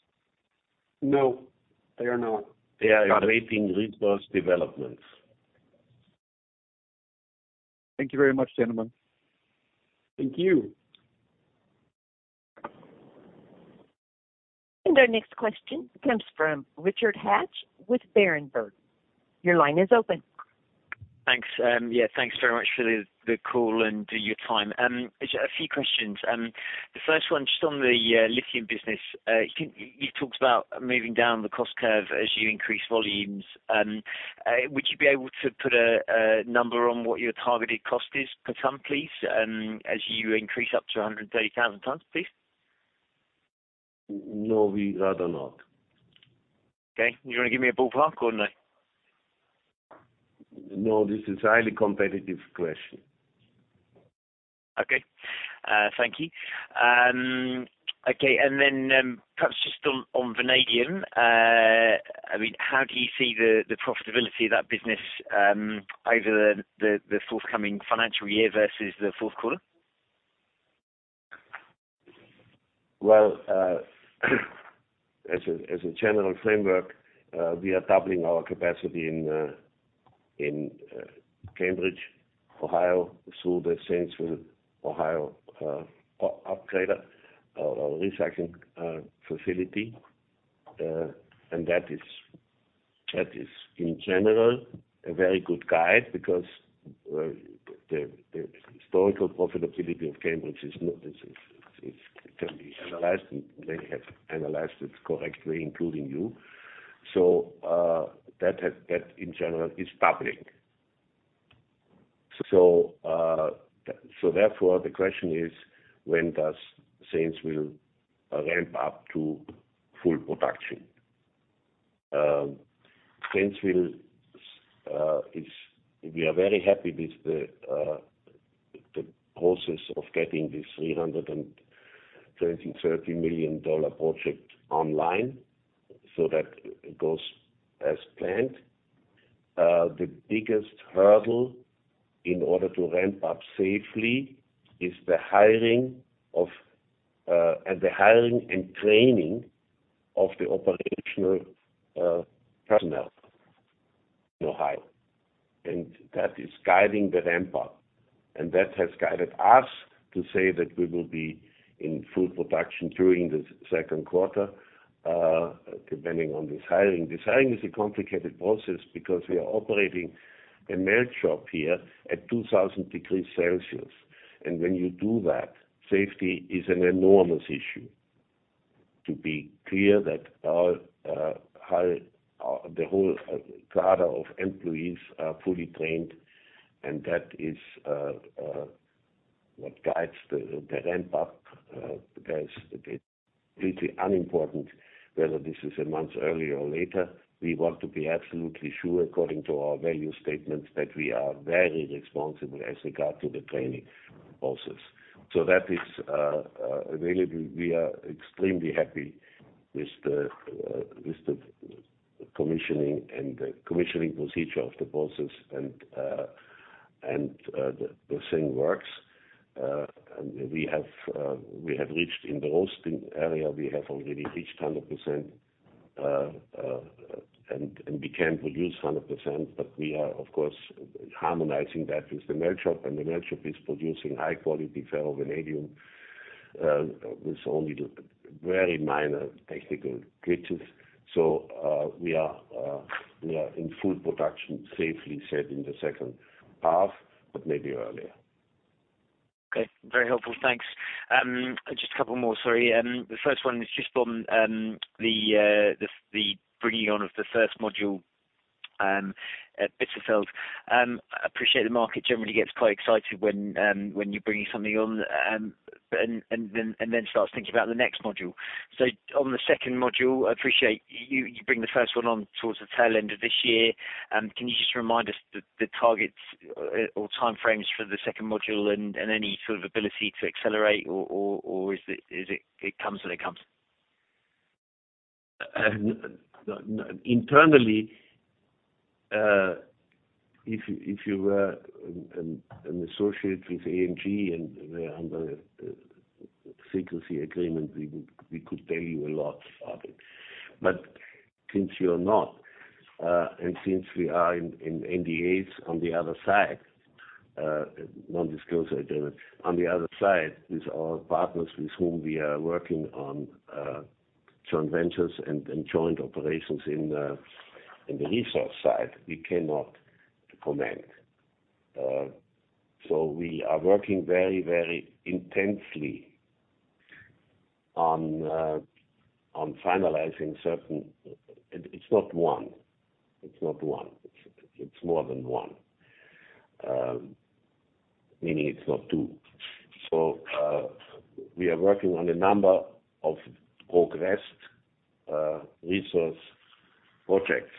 No, they are not. Got it. They are awaiting reverse developments. Thank you very much, gentlemen. Thank you. Our next question comes from Richard Hatch with Berenberg. Your line is open. Thanks. Thanks very much for the call and your time. Just a few questions. The first one, just on the lithium business. You talked about moving down the cost curve as you increase volumes. Would you be able to put a number on what your targeted cost is per ton, please, as you increase up to 130,000 tons, please? No, we'd rather not. Okay. You wanna give me a ballpark or no? No. This is a highly competitive question. Okay. Thank you. Okay. Perhaps just on vanadium. I mean, how do you see the profitability of that business over the forthcoming financial year versus the fourth quarter? Well, as a general framework, we are doubling our capacity in Cambridge, Ohio, through the Zanesville, Ohio, upgrader or recycling facility. That is, that is in general a very good guide because the historical profitability of Cambridge is not as if it's, it can be analyzed, and many have analyzed it correctly, including you. That has, that in general is public. Therefore the question is when does Zanesville ramp up to full production? Zanesville is. We are very happy with the process of getting this $330 million project online, so that goes as planned. The biggest hurdle in order to ramp up safely is the hiring of the hiring and training of the operational personnel in Ohio. That is guiding the ramp up, and that has guided us to say that we will be in full production during the second quarter, depending on this hiring. This hiring is a complicated process because we are operating a melt shop here at 2,000 degrees Celsius. When you do that, safety is an enormous issue. To be clear that our hire, the whole cadre of employees are fully trained, and that is what guides the ramp up. Because it is completely unimportant whether this is a month earlier or later. We want to be absolutely sure, according to our value statements, that we are very responsible as regard to the training process. That is available. We are extremely happy with the with the commissioning and the commissioning procedure of the process and the thing works. We have reached in the roasting area, we have already reached 100%, and we can produce 100%. We are of course harmonizing that with the melt shop. The melt shop is producing high quality ferrovanadium with only the very minor technical glitches. We are in full production, safely said in the second half, maybe earlier. Okay. Very helpful. Thanks. Just a couple more, sorry. The first one is just on the bringing on of the first module at Bitterfeld. I appreciate the market generally gets quite excited when you're bringing something on and then starts thinking about the next module. On the second module, I appreciate you bring the first one on towards the tail end of this year. Can you just remind us the targets or time frames for the second module and any sort of ability to accelerate or is it it comes when it comes? Internally, if you were an associate with AMG and were under a secrecy agreement, we could tell you a lot about it. Since you're not, and since we are in NDAs on the other side, non-disclosure agreements, on the other side with our partners with whom we are working on joint ventures and joint operations in the resource side, we cannot comment. We are working intensely on finalizing certain... It's not one. It's more than one. Meaning it's not two. We are working on a number of progressed resource projects.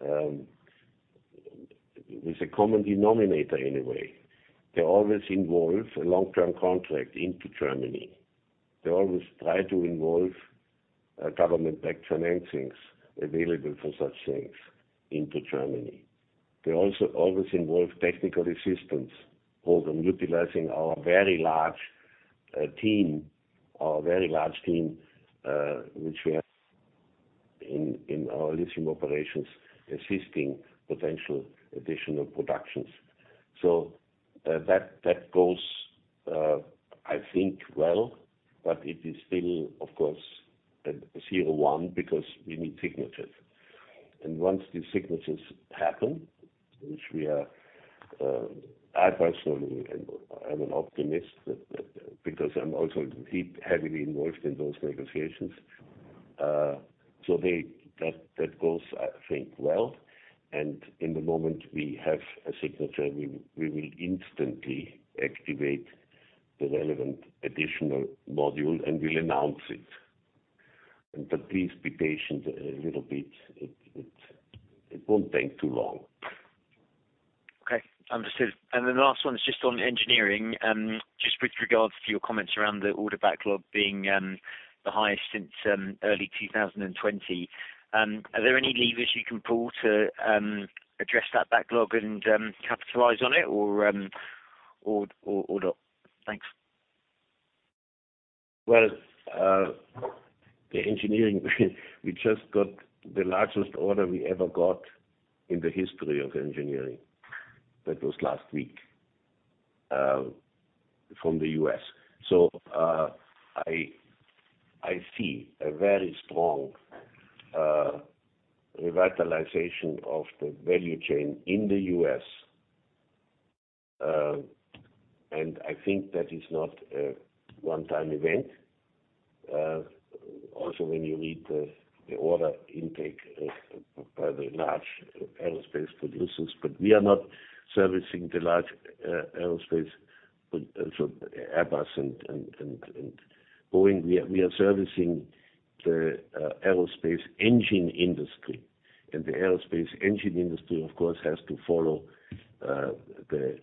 With a common denominator anyway. They always involve a long-term contract into Germany. They always try to involve government-backed financings available for such things into Germany. They also always involve technical assistance, often utilizing our very large team, which we have in our lithium operations, assisting potential additional productions. That goes, I think well, but it is still, of course, a 0-1 because we need signatures. Once these signatures happen, which we are, I personally am an optimist that. Because I'm also deep, heavily involved in those negotiations. That goes, I think, well. In the moment we have a signature, we will instantly activate the relevant additional module, and we'll announce it. Please be patient a little bit. It won't take too long. Okay. Understood. The last one is just on engineering. Just with regards to your comments around the order backlog being the highest since early 2020. Are there any levers you can pull to address that backlog and capitalize on it or not? Thanks. Well, the engineering, we just got the largest order we ever got in the history of engineering. That was last week from the U.S. I see a very strong revitalization of the value chain in the U.S. I think that is not a one-time event. Also, when you read the order intake of rather large aerospace producers, we are not servicing the large aerospace for Airbus and Boeing. We are servicing the aerospace engine industry. The aerospace engine industry of course, has to follow the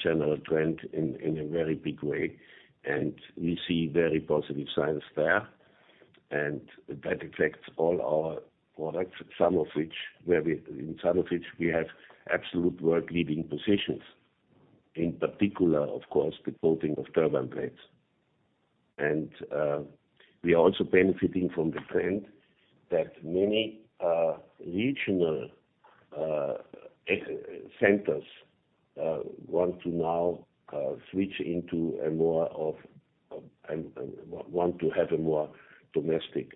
general trend in a very big way. We see very positive signs there. That affects all our products, some of which, in some of which we have absolute world-leading positions, in particular, of course, the coating of turbine blades. We are also benefiting from the trend that many regional centers want to now switch into a more of, want to have a more domestic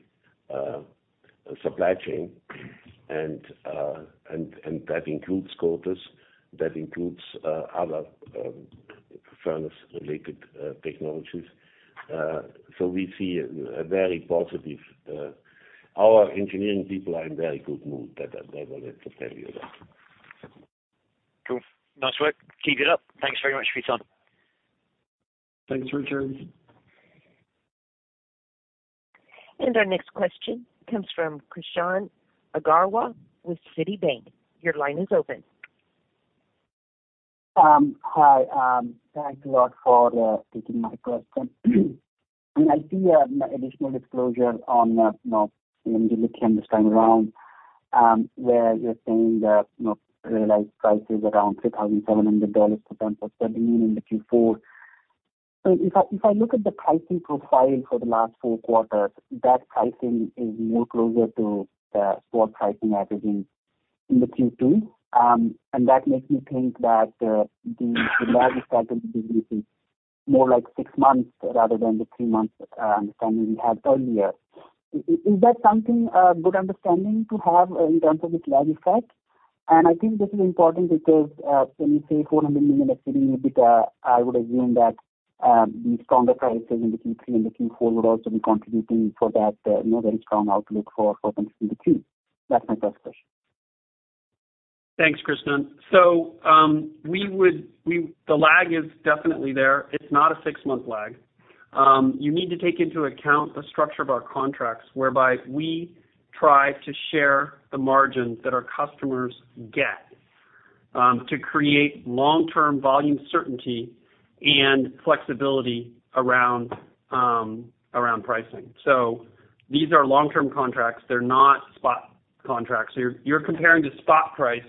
supply chain. That includes coaters, that includes other furnace-related technologies. We see a very positive... Our engineering people are in very good mood. That, I wanted to tell you that. Cool. Nice work. Keep it up. Thanks very much, Heinz. Thanks, Richard. Our next question comes from Krishan Agarwal with Citibank. Your line is open. Hi. Thank you a lot for taking my question. I see additional disclosure on, you know, when you look here this time around, where you're saying that, you know, realized price is around $3,700 for tons for 13 in the Q4. If I look at the pricing profile for the last four quarters, that pricing is more closer to spot pricing averages in the Q2. That makes me think that the lag effect of the business is more like six months rather than the three months understanding we had earlier. Is that something, a good understanding to have in terms of this lag effect? I think this is important because, when you say $400 million of EBITDA, I would assume that, the stronger prices in the Q3 and the Q4 would also be contributing for that, you know, very strong outlook for 2022. That's my first question. Thanks, Krishan. The lag is definitely there. It's not a six-month lag. You need to take into account the structure of our contracts, whereby we try to share the margins that our customers get, to create long-term volume certainty and flexibility around pricingsix These are long-term contracts. They're not spot contracts. You're comparing the spot price.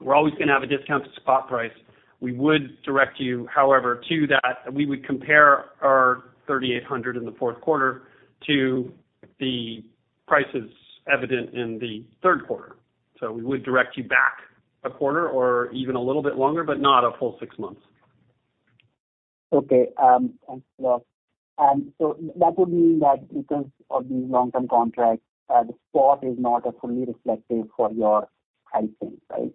We're always gonna have a discount to spot price. We would direct you, however, to that. We would compare our 3,800 in the fourth quarter to the prices evident in the third quarter. We would direct you back a quarter or even a little bit longer, but not a full six months. Okay. Thanks a lot. That would mean that because of these long-term contracts, the spot is not a fully reflective for your pricing, right?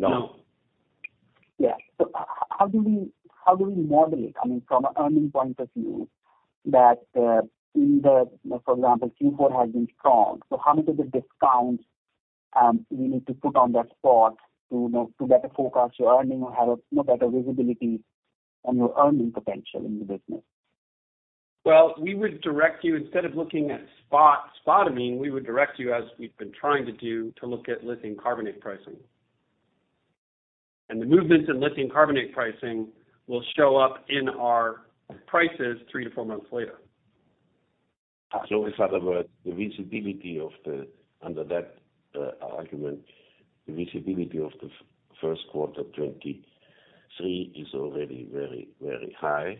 No. Yeah. How do we, how do we model it, I mean, from an earnings point of view that, in the, for example, Q4 has been strong, how much of the discount, we need to put on that spot to, you know, to better forecast your earnings or have, you know, better visibility on your earnings potential in the business? Well, we would direct you instead of looking at spot, spodumene, we would direct you as we've been trying to do, to look at lithium carbonate pricing. The movements in lithium carbonate pricing will show up in our prices three to four months later. In other words, the visibility of the under that argument, the visibility of the first quarter 2023 is already very, very high.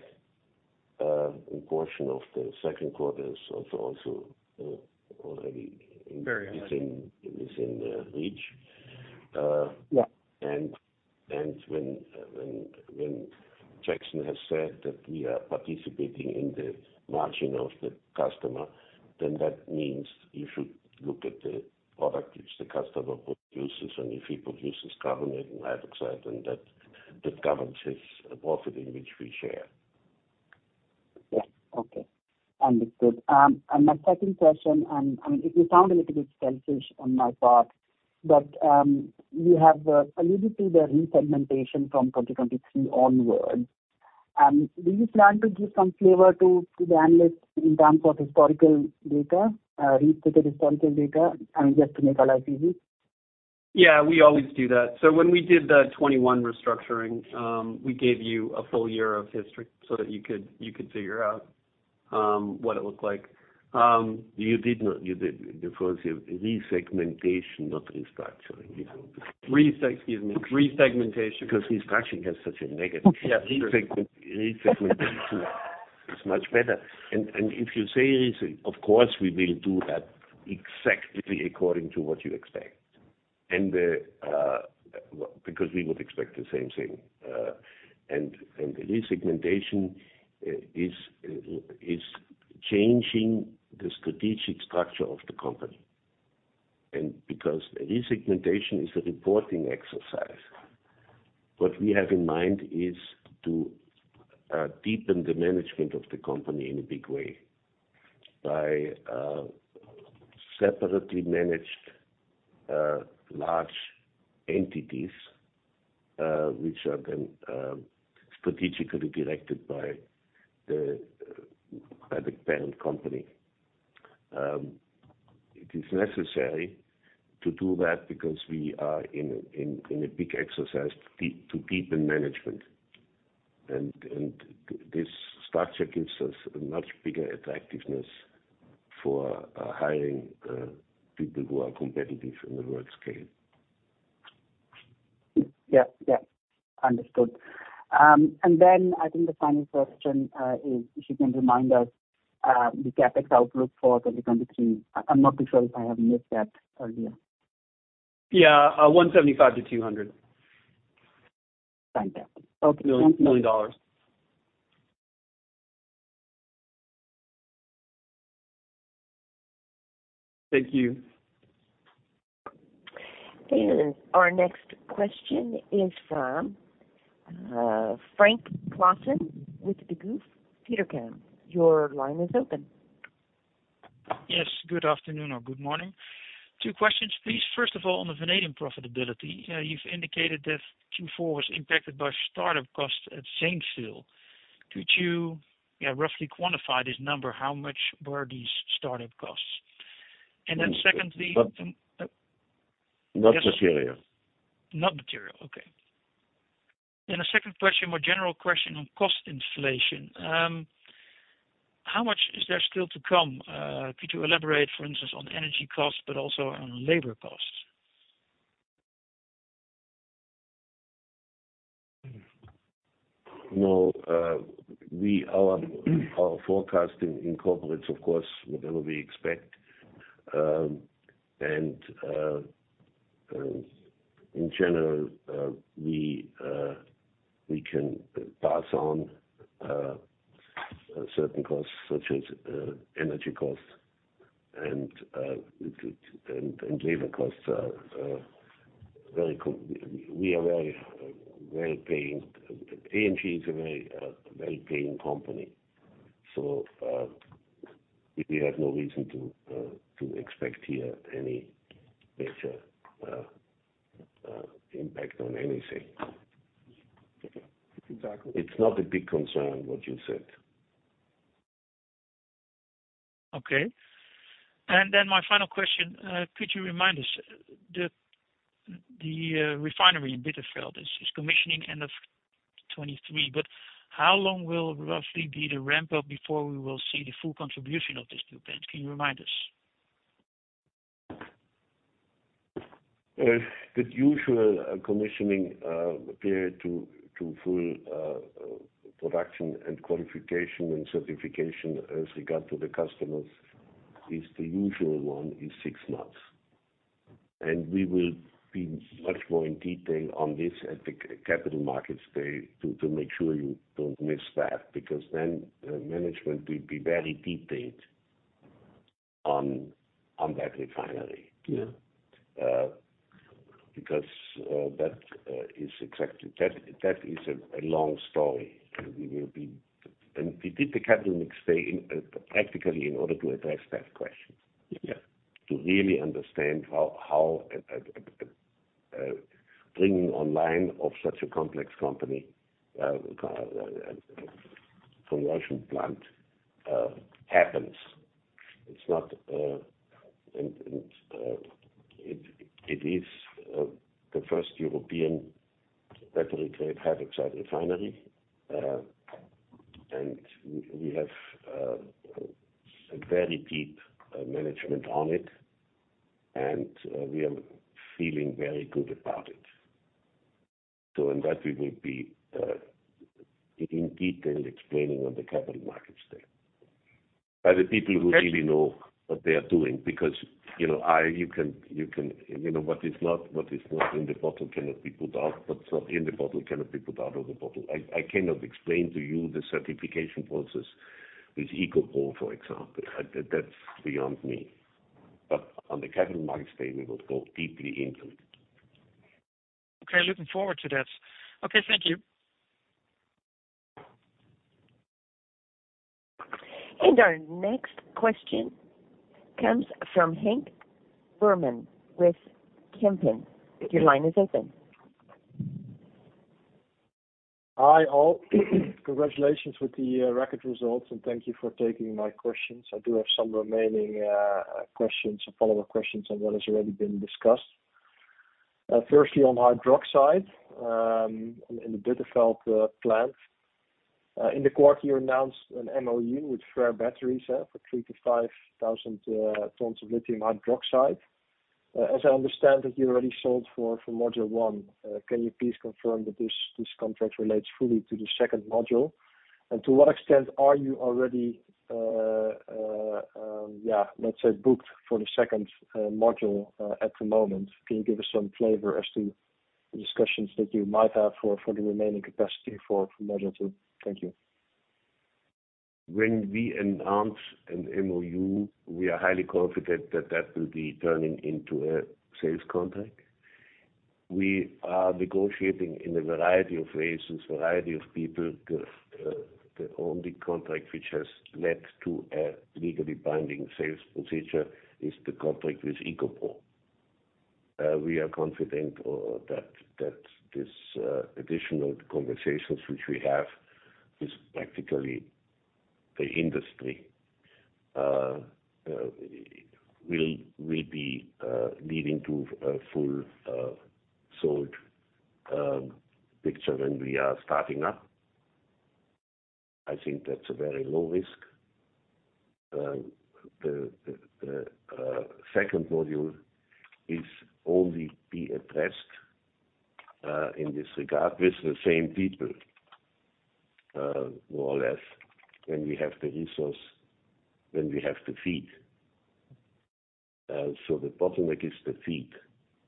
A portion of the second quarter is also already within reach. Yeah. When Jackson has said that we are participating in the margin of the customer, then that means you should look at the product which the customer produces, and if he produces carbonate and hydroxide, then that governs his profit in which we share. Yeah. Okay. Understood. My second question, and I mean, it will sound a little bit selfish on my part, but, you have alluded to the re-segmentation from 2023 onwards. Do you plan to give some flavor to the analysts in terms of historical data, restated historical data, I mean, just to make our life easy? Yeah, we always do that. When we did the 2021 restructuring, we gave you a full year of history so that you could figure out what it looked like. You did not. You did. It was a re-segmentation, not restructuring. Yeah. Excuse me. Re-segmentation. Because restructuring has such a negative... Yeah. Sure. Re-segmentation is much better. If you say reseg, of course, we will do that exactly according to what you expect. Because we would expect the same thing. Re-segmentation is changing the strategic structure of the company. Because re-segmentation is a reporting exercise, what we have in mind is to deepen the management of the company in a big way by separately managed large entities, which are then strategically directed by the parent company. It is necessary to do that because we are in a big exercise to deepen management. This structure gives us a much bigger attractiveness for hiring people who are competitive in the work scale. Yeah. Yeah. Understood. I think the final question is if you can remind us the CapEx outlook for 2023. I'm not too sure if I have missed that earlier. Yeah. $175 million-$200 million. Thank you. Okay. Thank you Our next question is from Frank Claassen with Degroof Petercam. Your line is open. Yes. Good afternoon or good morning. Two questions, please. First of all, on the vanadium profitability, you've indicated that Q4 was impacted by startup costs at Zanesville. Could you, yeah, roughly quantify this number? How much were these startup costs? Not- Yes. Not material. Not material. Okay. A second question, more general question on cost inflation. How much is there still to come? Could you elaborate, for instance, on energy costs, but also on labor costs? Our forecasting incorporates, of course, whatever we expect. In general, we can pass on certain costs such as energy costs and labor costs are We are very well-paying. AMG is a very well-paying company. We have no reason to expect here any major impact on anything. Exactly. It's not a big concern what you said. Okay. My final question, could you remind us the refinery in Bitterfeld is commissioning end of 2023. How long will roughly be the ramp up before we will see the full contribution of these two plants? Can you remind us? The usual commissioning period to full production and qualification and certification as regard to the customers is the usual one, is six months. We will be much more in detail on this at the Capital Markets Day to make sure you don't miss that, because then management will be very detailed on that refinery. Yeah. Because that is a long story. We did the Capital Markets Day in practically in order to address that question. Yeah. To really understand how, at the bringing online of such a complex company, from the ocean plant, happens. It's not, and it is the first European battery-grade hydroxide refinery. We have a very deep management on it, and we are feeling very good about it. In that we will be in detail explaining on the Capital Markets Day. By the people who really know what they are doing, because, you know, you can. You know, what is not in the bottle cannot be put out. What's not in the bottle cannot be put out of the bottle. I cannot explain to you the certification process with EcoPro, for example. That's beyond me. On the Capital Markets Day, we will go deeply into it. Okay. Looking forward to that. Okay, thank you. Our next question comes from Henk Veerman with Kempen. Your line is open. Hi, all. Congratulations with the record results, thank you for taking my questions. I do have some remaining questions or follow-up questions on what has already been discussed. Firstly, on hydroxide, in the Bitterfeld plant. In the quarter, you announced an MOU with FREYR Battery for 3,000-5,000 tons of lithium hydroxide. As I understand that you already sold for module one, can you please confirm that this contract relates fully to the second module? To what extent are you already booked for the second module at the moment? Can you give us some flavor as to the discussions that you might have for the remaining capacity for module two? Thank you. When we announce an MOU, we are highly confident that that will be turning into a sales contract. We are negotiating in a variety of ways with variety of people. The only contract which has led to a legally binding sales procedure is the contract with EcoPro. We are confident that this additional conversations which we have is practically the industry will be leading to a full sold picture when we are starting up. I think that's a very low risk. The second module is only be addressed in this regard with the same people more or less when we have the resource, when we have the feed. The bottleneck is the feed,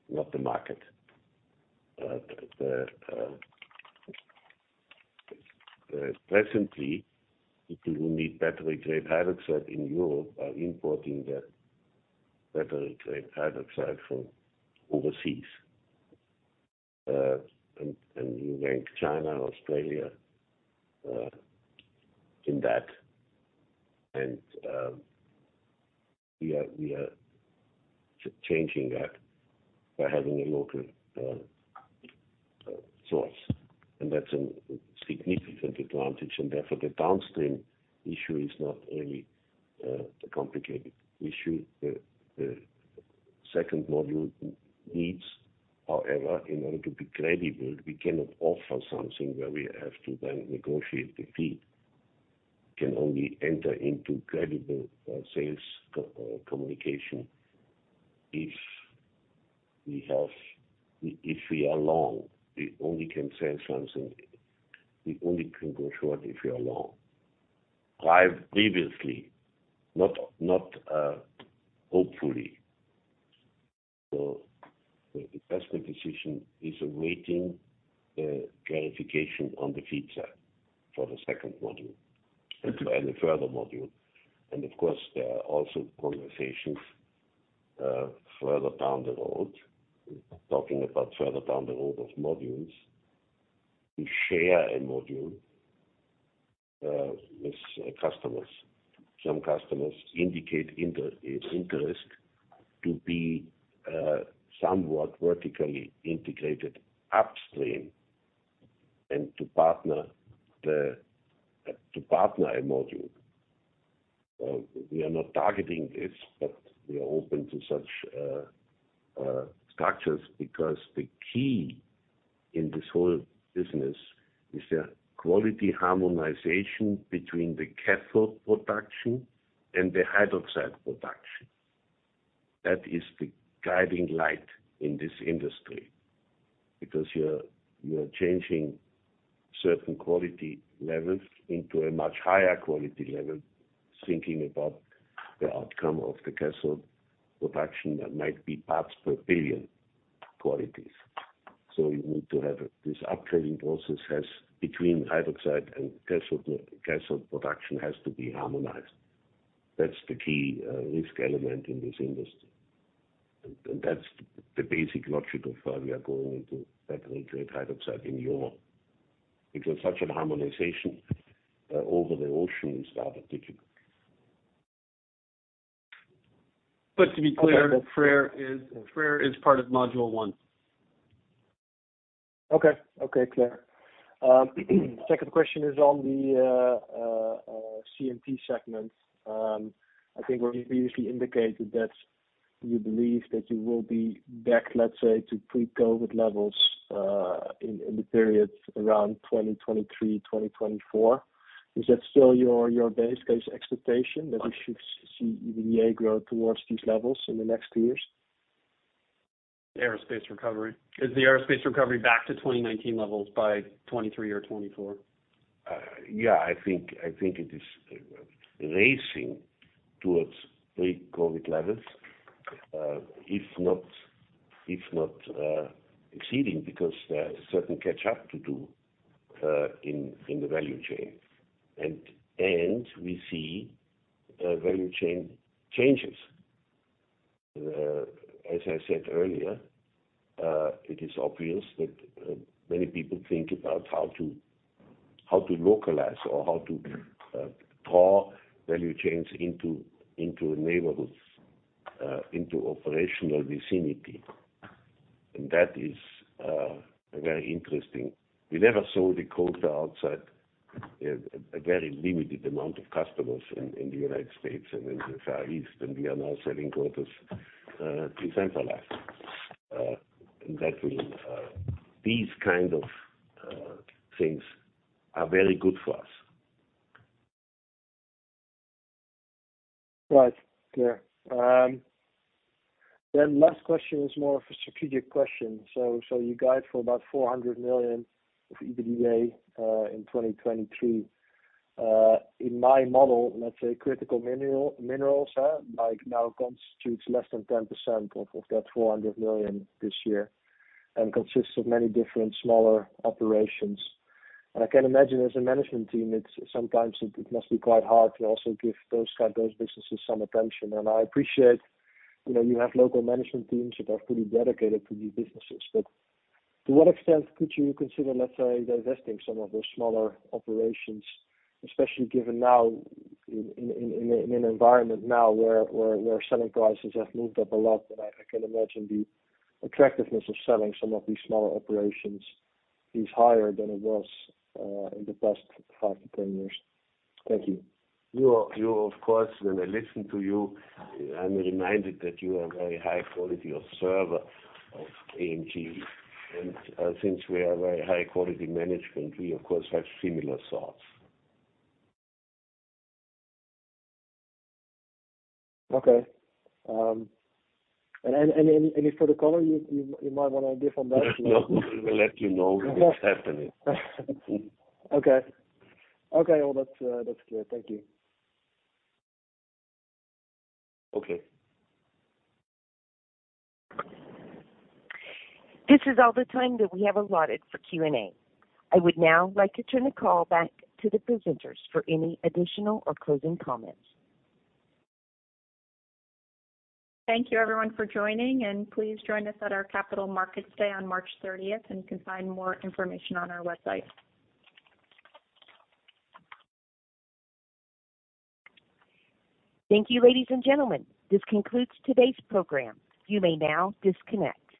not the market. Presently, people who need battery-grade hydroxide in Europe are importing the battery-grade hydroxide from overseas. You rank China, Australia in that. We are changing that by having a local source, and that's a significant advantage. Therefore, the downstream issue is not really a complicated issue. The second module needs. However, in order to be credible, we cannot offer something where we have to then negotiate the feed. Can only enter into credible sales communication if we have. If we are long, we only can sell something. We only can go short if we are long. Previously, not hopefully. The investment decision is awaiting clarification on the feed side for the second module and any further module. Of course, there are also conversations further down the road. Talking about further down the road of modules. We share a module with customers. Some customers indicate its interest to be somewhat vertically integrated upstream and to partner a module. We are not targeting this, but we are open to such structures because the key in this whole business is the quality harmonization between the cathode production and the hydroxide production. That is the guiding light in this industry because you are changing certain quality levels into a much higher quality level, thinking about the outcome of the cathode production that might be parts per billion qualities. You need to have. This upgrading process between hydroxide and cathode production has to be harmonized. That's the key risk element in this industry. That's the basic logic of, we are going into battery-grade hydroxide in Europe, because such a harmonization, over the ocean is rather difficult. To be clear, FREYR is part of Module 1. Okay. Okay, clear. Second question is on the CMP segment. I think where you previously indicated that you believe that you will be back, let's say, to pre-COVID levels, in the period around 2023, 2024. Is that still your base case expectation that we should see the EA grow towards these levels in the next two years? Aerospace recovery. Is the aerospace recovery back to 2019 levels by 2023 or 2024? Yeah, I think it is racing towards pre-COVID levels, if not exceeding because there are certain catch up to do in the value chain. We see value chain changes. As I said earlier, it is obvious that many people think about how to localize or how to draw value chains into neighborhoods, into operational vicinity. That is very interesting. We never sold the quota outside a very limited amount of customers in the United States and in the Far East, and we are now selling quotas decentralized. That will... These kind of things are very good for us. Right. Yeah. Last question is more of a strategic question. You guide for about $400 million of EBITDA in 2023. In my model, let's say critical minerals, like now constitutes less than 10% of that $400 million this year, and consists of many different smaller operations. I can imagine as a management team, it's sometimes it must be quite hard to also give those type, those businesses some attention. I appreciate, you know, you have local management teams that are fully dedicated to these businesses. To what extent could you consider, let's say, divesting some of those smaller operations, especially given now in an environment now where selling prices have moved up a lot? I can imagine the attractiveness of selling some of these smaller operations is higher than it was, in the past five to 10 years. Thank you. You of course, when I listen to you, I'm reminded that you are very high quality observer of AMG. Since we are very high quality management, we of course have similar thoughts. Okay. If for the call, you might wanna give on that. We'll let you know. We'll let you know when it's happening. Okay. Okay. Well, that's clear. Thank you. Okay. This is all the time that we have allotted for Q&A. I would now like to turn the call back to the presenters for any additional or closing comments. Thank you, everyone, for joining. Please join us at our Capital Markets Day on March 30th. You can find more information on our website. Thank you, ladies and gentlemen. This concludes today's program. You may now disconnect.